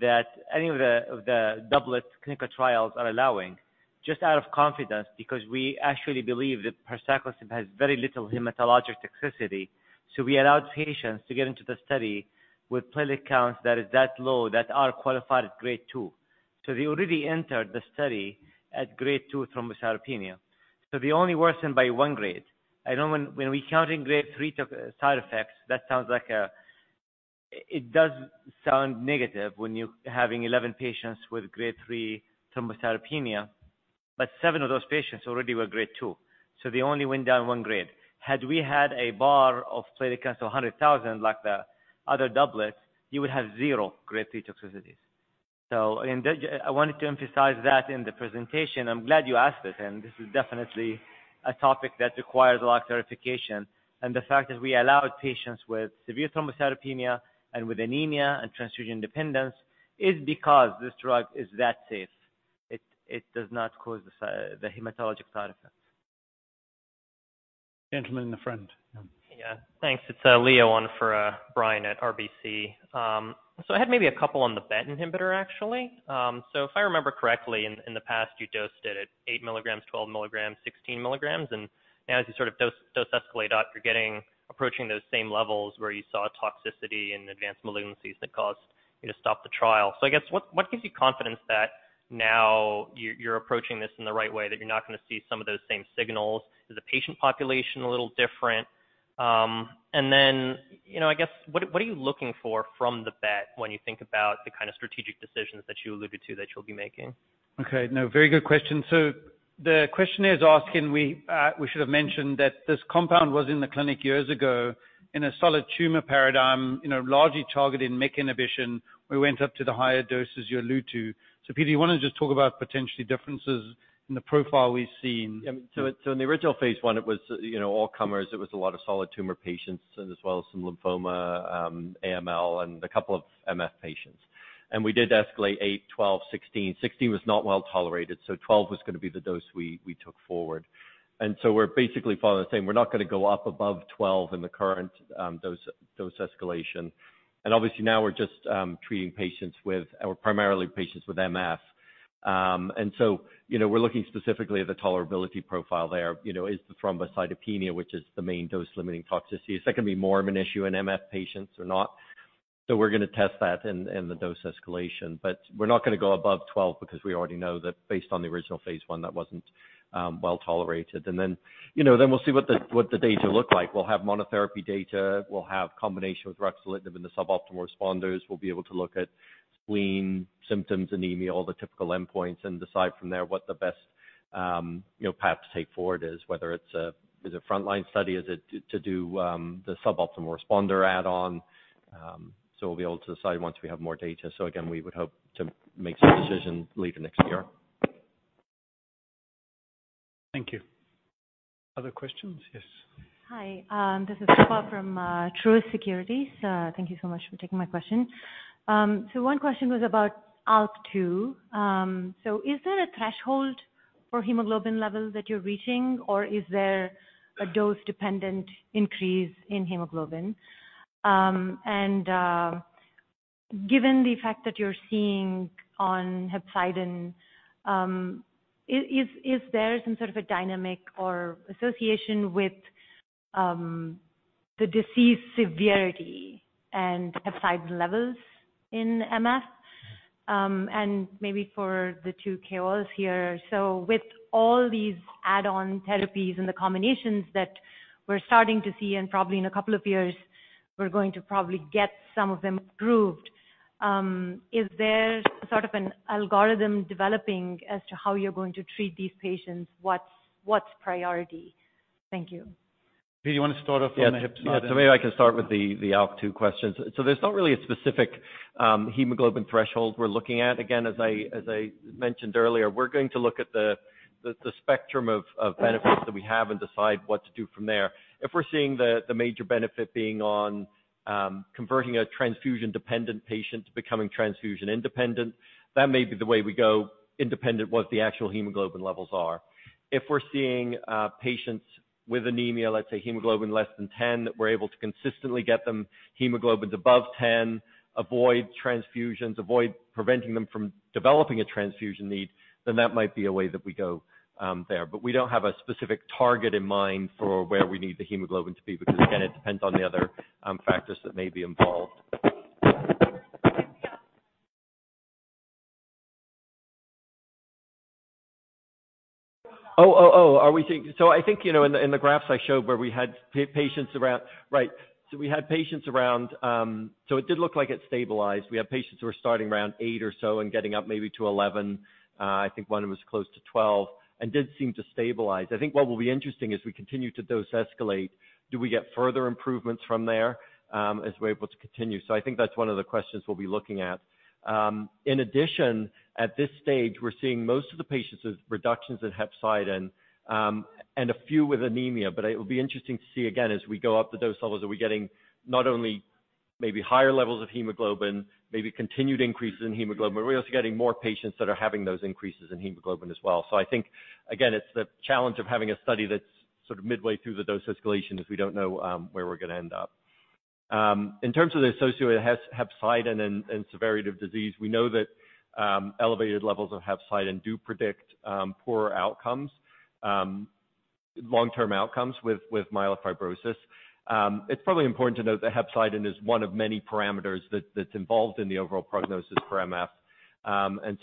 that any of the doublet clinical trials are allowing just out of confidence because we actually believe that parsaclisib has very little hematologic toxicity. We allowed patients to get into the study with platelet counts that is that low that are qualified Grade 2. They already entered the study at Grade 2 thrombocytopenia. They only worsened by one grade. I know when we're counting Grade 3 side effects, It does sound negative when you're having 11 patients with Grade 3 thrombocytopenia, but seven of those patients already were Grade 2. They only went down one grade. Had we had a bar of platelet counts of 100,000 like the other doublets, you would have zero Grade 3 toxicities. In that, I wanted to emphasize that in the presentation. I'm glad you asked it, this is definitely a topic that requires a lot of clarification. The fact that we allowed patients with severe thrombocytopenia and with anemia and transfusion dependence is because this drug is that safe. It does not cause the hematologic side effects. Gentleman in the front. Yeah. Thanks. It's, Leo, on for, Brian at RBC. I had maybe a couple on the BET inhibitor, actually. If I remember correctly in the past, you dosed it at 8 mg, 12 mg, 16 mg. As you sort of dose escalate up, you're getting approaching those same levels where you saw toxicity in advanced malignancies that caused you to stop the trial. I guess what gives you confidence that now you're approaching this in the right way, that you're not gonna see some of those same signals? Is the patient population a little different? Then, you know, I guess what are you looking for from the BET when you think about the kind of strategic decisions that you alluded to that you'll be making? Okay. No, very good question. The question is asking we should have mentioned that this compound was in the clinic years ago in a solid tumor paradigm, you know, largely targeting MEK inhibition. We went up to the higher doses you allude to. Peter, you wanna just talk about potentially differences in the profile we've seen? Yeah. In the original phase I, it was, you know, all comers. It was a lot of solid tumor patients and as well as some lymphoma, AML and a couple of MF patients. We did escalate 8 mg, 12 mg, 16 mg. 16 mg was not well-tolerated, so 12 mg was going to be the dose we took forward. We're basically following the same. We're not going to go up above 12 mg in the current dose escalation. Obviously now we're just treating patients with or primarily patients with MF. You know, we're looking specifically at the tolerability profile there. You know, is the thrombocytopenia, which is the main dose-limiting toxicity. Is that going to be more of an issue in MF patients or not? We're going to test that in the dose escalation. We're not gonna go above 12 mg because we already know that based on the original phase I, that wasn't well-tolerated. You know, we'll see what the, what the data look like. We'll have monotherapy data. We'll have combination with ruxolitinib in the suboptimal responders. We'll be able to look at spleen symptoms, anemia, all the typical endpoints, and decide from there what the best, you know, path to take forward is, whether it's a, it's a frontline study, is it to do the suboptimal responder add-on. We'll be able to decide once we have more data. Again, we would hope to make some decision later next year. Thank you. Other questions? Yes. Hi, this is Kripa from Truist Securities. Thank you so much for taking my question. One question was about ALK2. Is there a threshold for hemoglobin levels that you're reaching, or is there a dose-dependent increase in hemoglobin? Given the fact that you're seeing on hepcidin, is there some sort of a dynamic or association with the disease severity and hepcidin levels in MF? Maybe for the two KOLs here. With all these add-on therapies and the combinations that we're starting to see, and probably in a couple of two years we're going to probably get some of them approved, is there sort of an algorithm developing as to how you're going to treat these patients? What's priority? Thank you. Peter, you want to start off on the hepcidin? Yeah. Maybe I can start with the ALK2 questions. There's not really a specific hemoglobin threshold we're looking at. Again, as I mentioned earlier, we're going to look at the spectrum of benefits that we have and decide what to do from there. If we're seeing the major benefit being on converting a transfusion-dependent patient to becoming transfusion independent, that may be the way we go independent what the actual hemoglobin levels are. If we're seeing patients with anemia, let's say hemoglobin less than 10, that we're able to consistently get them hemoglobins above 10, avoid transfusions, avoid preventing them from developing a transfusion need, then that might be a way that we go there. We don't have a specific target in mind for where we need the hemoglobin to be, because, again, it depends on the other factors that may be involved. Thank you. Are we seeing? I think, you know, in the graphs I showed where we had patients around. Right. We had patients around, so it did look like it stabilized. We had patients who were starting around eight or so and getting up maybe to 11. I think one was close to 12 and did seem to stabilize. I think what will be interesting as we continue to dose escalate, do we get further improvements from there, as we're able to continue? I think that's one of the questions we'll be looking at. In addition, at this stage, we're seeing most of the patients with reductions in hepcidin, and a few with anemia. It will be interesting to see again, as we go up the dose levels, are we getting not only maybe higher levels of hemoglobin, maybe continued increases in hemoglobin, but we're also getting more patients that are having those increases in hemoglobin as well. I think again, it's the challenge of having a study that's sort of midway through the dose escalation, is we don't know where we're going to end up. In terms of the associated hepcidin and severity of disease, we know that elevated levels of hepcidin do predict poorer outcomes, long-term outcomes with myelofibrosis. It's probably important to note that hepcidin is one of many parameters that's involved in the overall prognosis for MF.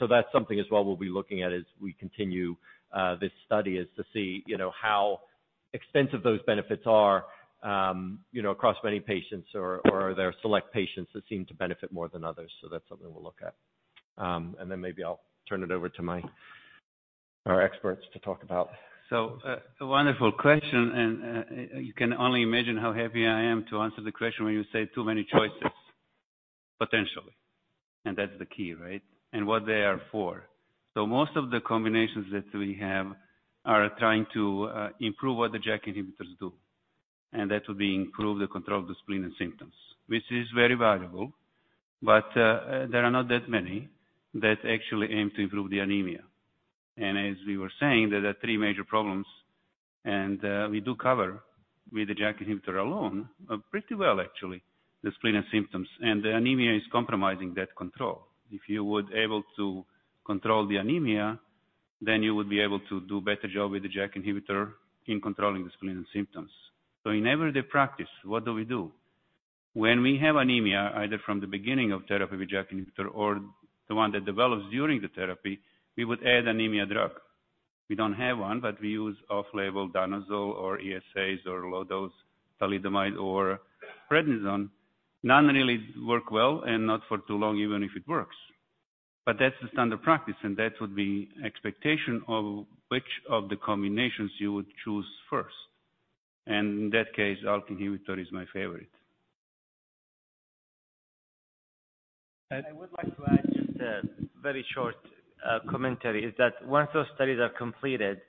That's something as well we'll be looking at as we continue this study, is to see, you know, how extensive those benefits are, you know, across many patients or are there select patients that seem to benefit more than others. That's something we'll look at. Maybe I'll turn it over to our experts to talk about. A wonderful question, and, you can only imagine how happy I am to answer the question when you say too many choices, potentially. That's the key, right? What they are for. Most of the combinations that we have are trying to improve what the JAK inhibitors do, and that would be improve the control of the spleen and symptoms, which is very valuable. There are not that many that actually aim to improve the anemia. As we were saying, there are three major problems, and, we do cover with the JAK inhibitor alone, pretty well actually, the spleen and symptoms. The anemia is compromising that control. If you would able to control the anemia, you would be able to do better job with the JAK inhibitor in controlling the spleen and symptoms. In everyday practice, what do we do? When we have anemia, either from the beginning of therapy with JAK inhibitor or the one that develops during the therapy, we would add anemia drug. We don't have one, but we use off-label danazol or ESAs or low-dose thalidomide or prednisone. None really work well and not for too long, even if it works. That's the standard practice, and that would be expectation of which of the combinations you would choose first. In that case, ALK inhibitor is my favorite. I would like to add just a very short commentary, is that once those studies are completed,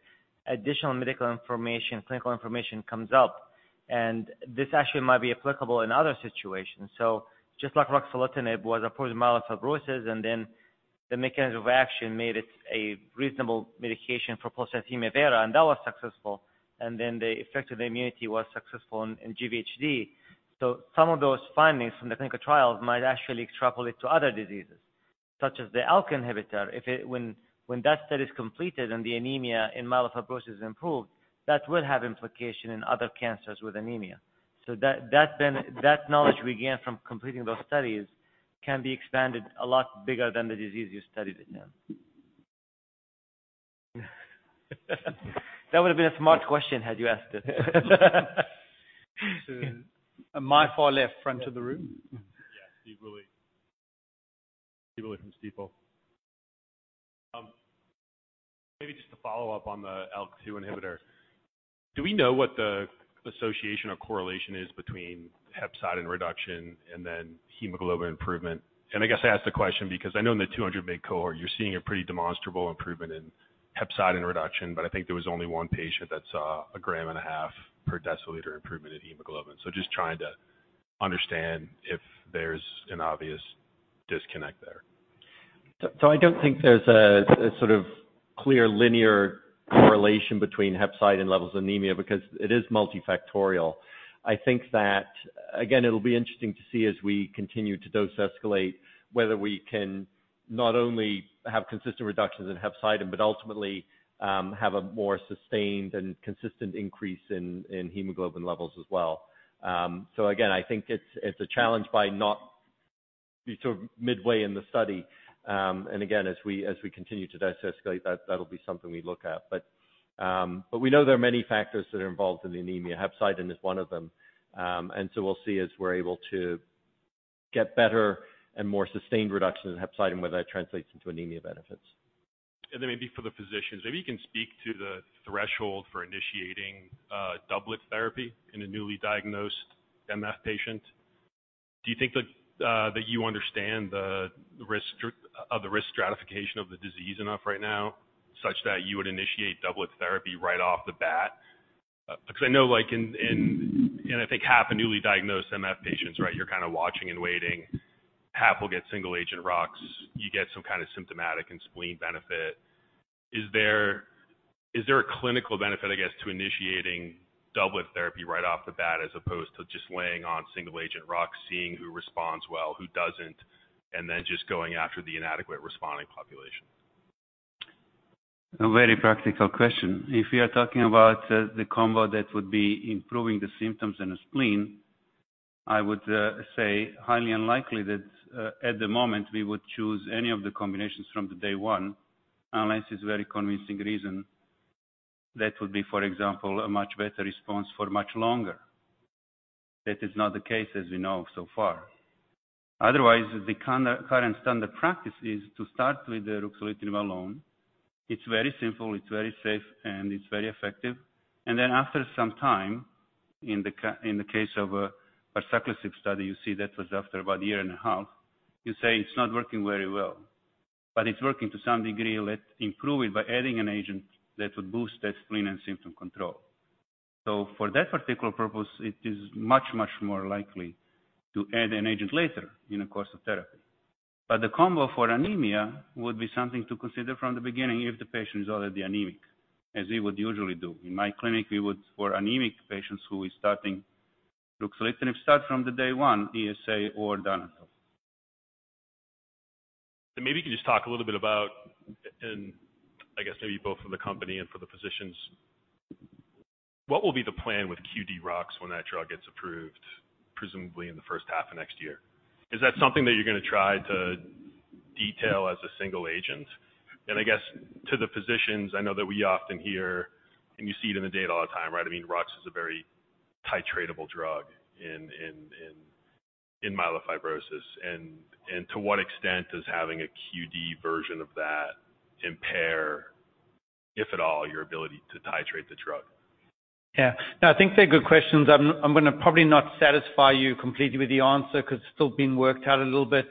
additional medical information, clinical information comes up, and this actually might be applicable in other situations. Just like ruxolitinib was approved for myelofibrosis, and then the mechanism of action made it a reasonable medication for polycythemia vera, and that was successful. Then the effect of the immunity was successful in GVHD. Some of those findings from the clinical trials might actually extrapolate to other diseases, such as the ALK inhibitor. When that study is completed and the anemia in myelofibrosis improved, that will have implication in other cancers with anemia. That then, that knowledge we gain from completing those studies can be expanded a lot bigger than the disease you studied it in. That would have been a smart question had you asked it. To my far left, front of the room. Yeah. Stephen Willey from Stifel. Maybe just to follow up on the ALK2 inhibitor. Do we know what the association or correlation is between hepcidin reduction and then hemoglobin improvement? I guess I ask the question because I know in the 200 base cohort, you're seeing a pretty demonstrable improvement in hepcidin reduction, but I think there was only one patient that saw a 1.5 g/dL improvement in hemoglobin. Just trying to understand if there's an obvious disconnect there. I don't think there's a sort of clear linear correlation between hepcidin levels of anemia because it is multifactorial. I think that again, it'll be interesting to see as we continue to dose escalate, whether we can not only have consistent reductions in hepcidin, but ultimately, have a more sustained and consistent increase in hemoglobin levels as well. Again, I think it's a challenge by not be sort of midway in the study. Again, as we continue to dose escalate, that'll be something we look at. We know there are many factors that are involved in anemia. Hepcidin is one of them. We'll see as we're able to get better and more sustained reduction in hepcidin, whether that translates into anemia benefits. Maybe for the physicians, maybe you can speak to the threshold for initiating doublet therapy in a newly diagnosed MF patient. Do you think that you understand the risk stratification of the disease enough right now such that you would initiate doublet therapy right off the bat? Because I know and I think half of newly diagnosed MF patients right you're kind of watching and waiting. Half will get single agent ruxolitinib. You get some kind of symptomatic and spleen benefit. Is there, is there a clinical benefit, I guess, to initiating doublet therapy right off the bat as opposed to just laying on single agent ruxolitinib, seeing who responds well, who doesn't, and then just going after the inadequate responding population? A very practical question. If we are talking about the combo that would be improving the symptoms in the spleen, I would say highly unlikely that at the moment we would choose any of the combinations from the day one, unless it's very convincing reason. That would be, for example, a much better response for much longer. That is not the case, as we know so far. Otherwise, the current standard practice is to start with the ruxolitinib alone. It's very simple, it's very safe, and it's very effective. After some time, in the case of a cyclics study, you see that was after about a year and a half. You say it's not working very well. It's working to some degree, let's improve it by adding an agent that would boost that spleen and symptom control. For that particular purpose, it is much, much more likely to add an agent later in the course of therapy. The combo for anemia would be something to consider from the beginning if the patient is already anemic, as we would usually do. In my clinic, we would, for anemic patients who is starting ruxolitinib, start from the day 1, ESA or danazol. Maybe you can just talk a little bit about and I guess maybe both for the company and for the physicians, what will be the plan with QD ruxolitinib when that drug gets approved, presumably in the first half of next year? Is that something that you're gonna try to detail as a single agent? I guess to the physicians, I know that we often hear and you see it in the data all the time, right? I mean, ruxolitinib is a very titratable drug in myelofibrosis. To what extent does having a QD version of that impair, if at all, your ability to titrate the drug? Yeah. No, I think they're good questions. I'm gonna probably not satisfy you completely with the answer because it's still being worked out a little bit.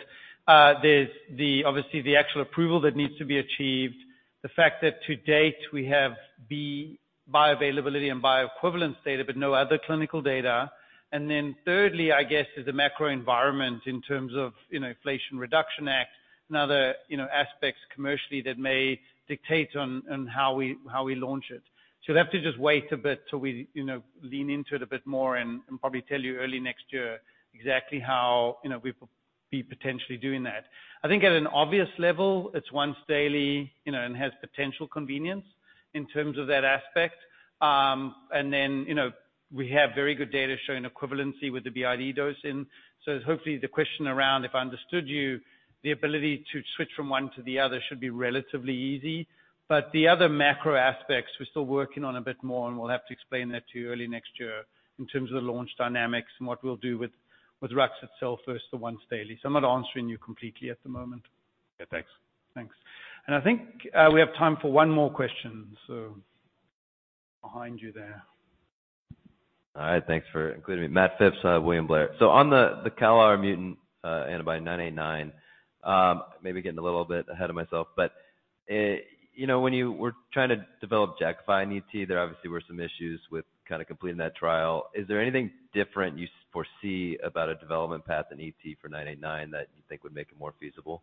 There's the obviously the actual approval that needs to be achieved. The fact that to date we have bioavailability and bioequivalence data, but no other clinical data. Then thirdly, I guess, is the macro environment in terms of, you know, Inflation Reduction Act and other, you know, aspects commercially that may dictate on how we launch it. You'll have to just wait a bit till we, you know, lean into it a bit more and probably tell you early next year exactly how, you know, we will be potentially doing that. I think at an obvious level, it's once daily, you know, and has potential convenience in terms of that aspect. You know, we have very good data showing equivalency with the BID dosing. Hopefully the question around, if I understood you, the ability to switch from one to the other should be relatively easy. The other macro aspects, we're still working on a bit more, and we'll have to explain that to you early next year in terms of the launch dynamics and what we'll do with ruxolitinib itself versus the once daily. I'm not answering you completely at the moment. Yeah. Thanks. Thanks. I think, we have time for one more question. Behind you there. All right. Thanks for including me. Matt Phipps, William Blair. On the CALR mutant antibody INCA033989, maybe getting a little bit ahead of myself, but, you know, when you were trying to develop Jakafi in ET, there obviously were some issues with kinda completing that trial. Is there anything different you foresee about a development path in ET for INCA033989 that you think would make it more feasible?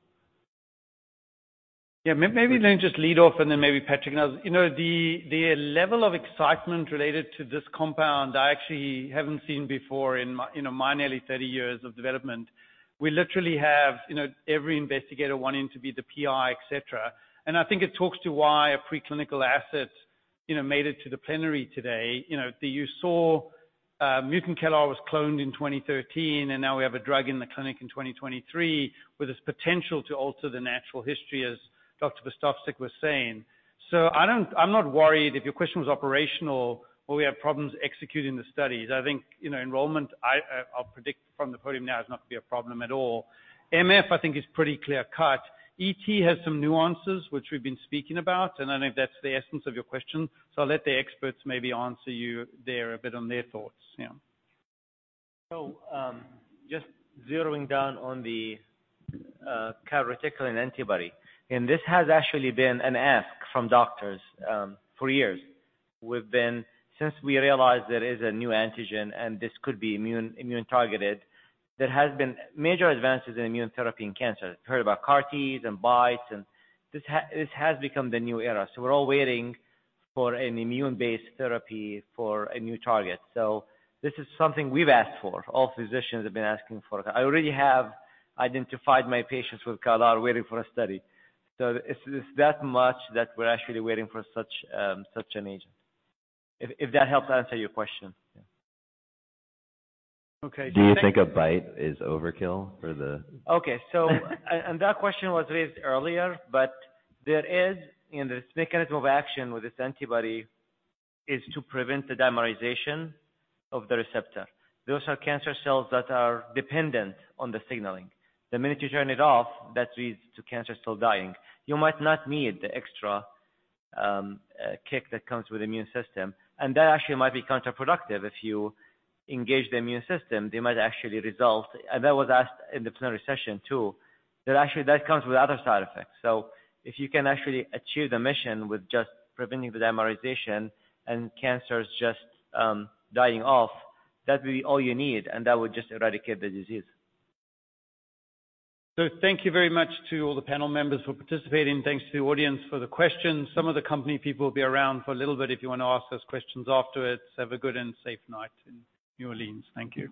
Yeah. Maybe let me just lead off and then maybe Patrick knows. You know, the level of excitement related to this compound I actually haven't seen before in my, you know, my nearly 30 years of development. We literally have, you know, every investigator wanting to be the PI, et cetera. I think it talks to why a preclinical asset, you know, made it to the plenary today. You know, you saw mutant CALR was cloned in 2013, and now we have a drug in the clinic in 2023 with its potential to alter the natural history, as Dr. Verstovsek was saying. I'm not worried if your question was operational, will we have problems executing the studies? I think, you know, enrollment, I'll predict from the podium now is not gonna be a problem at all. MF, I think, is pretty clear-cut. ET has some nuances which we've been speaking about, I think that's the essence of your question. I'll let the experts maybe answer you there a bit on their thoughts. Yeah. Just zeroing down on the calreticulin antibody. This has actually been an ask from doctors for years. Since we realized there is a new antigen and this could be immune targeted, there has been major advances in immune therapy in cancer. Heard about CAR-Ts and BiTEs, this has become the new era. We're all waiting for an immune-based therapy for a new target. This is something we've asked for, all physicians have been asking for. I already have identified my patients with CALR are waiting for a study. It's that much that we're actually waiting for such an agent. If that helps answer your question. Okay. Do you think a BiTE is overkill for the...? Okay. That question was raised earlier. There is in this mechanism of action with this antibody is to prevent the dimerization of the receptor. Those are cancer cells that are dependent on the signaling. The minute you turn it off, that leads to cancer still dying. You might not need the extra kick that comes with immune system, and that actually might be counterproductive. If you engage the immune system, they might actually result. That was asked in the plenary session too, that actually comes with other side effects. If you can actually achieve the mission with just preventing the dimerization and cancers just dying off, that would be all you need, and that would just eradicate the disease. Thank you very much to all the panel members who participated, and thanks to the audience for the questions. Some of the company people will be around for a little bit if you wanna ask those questions afterwards. Have a good and safe night in New Orleans. Thank you.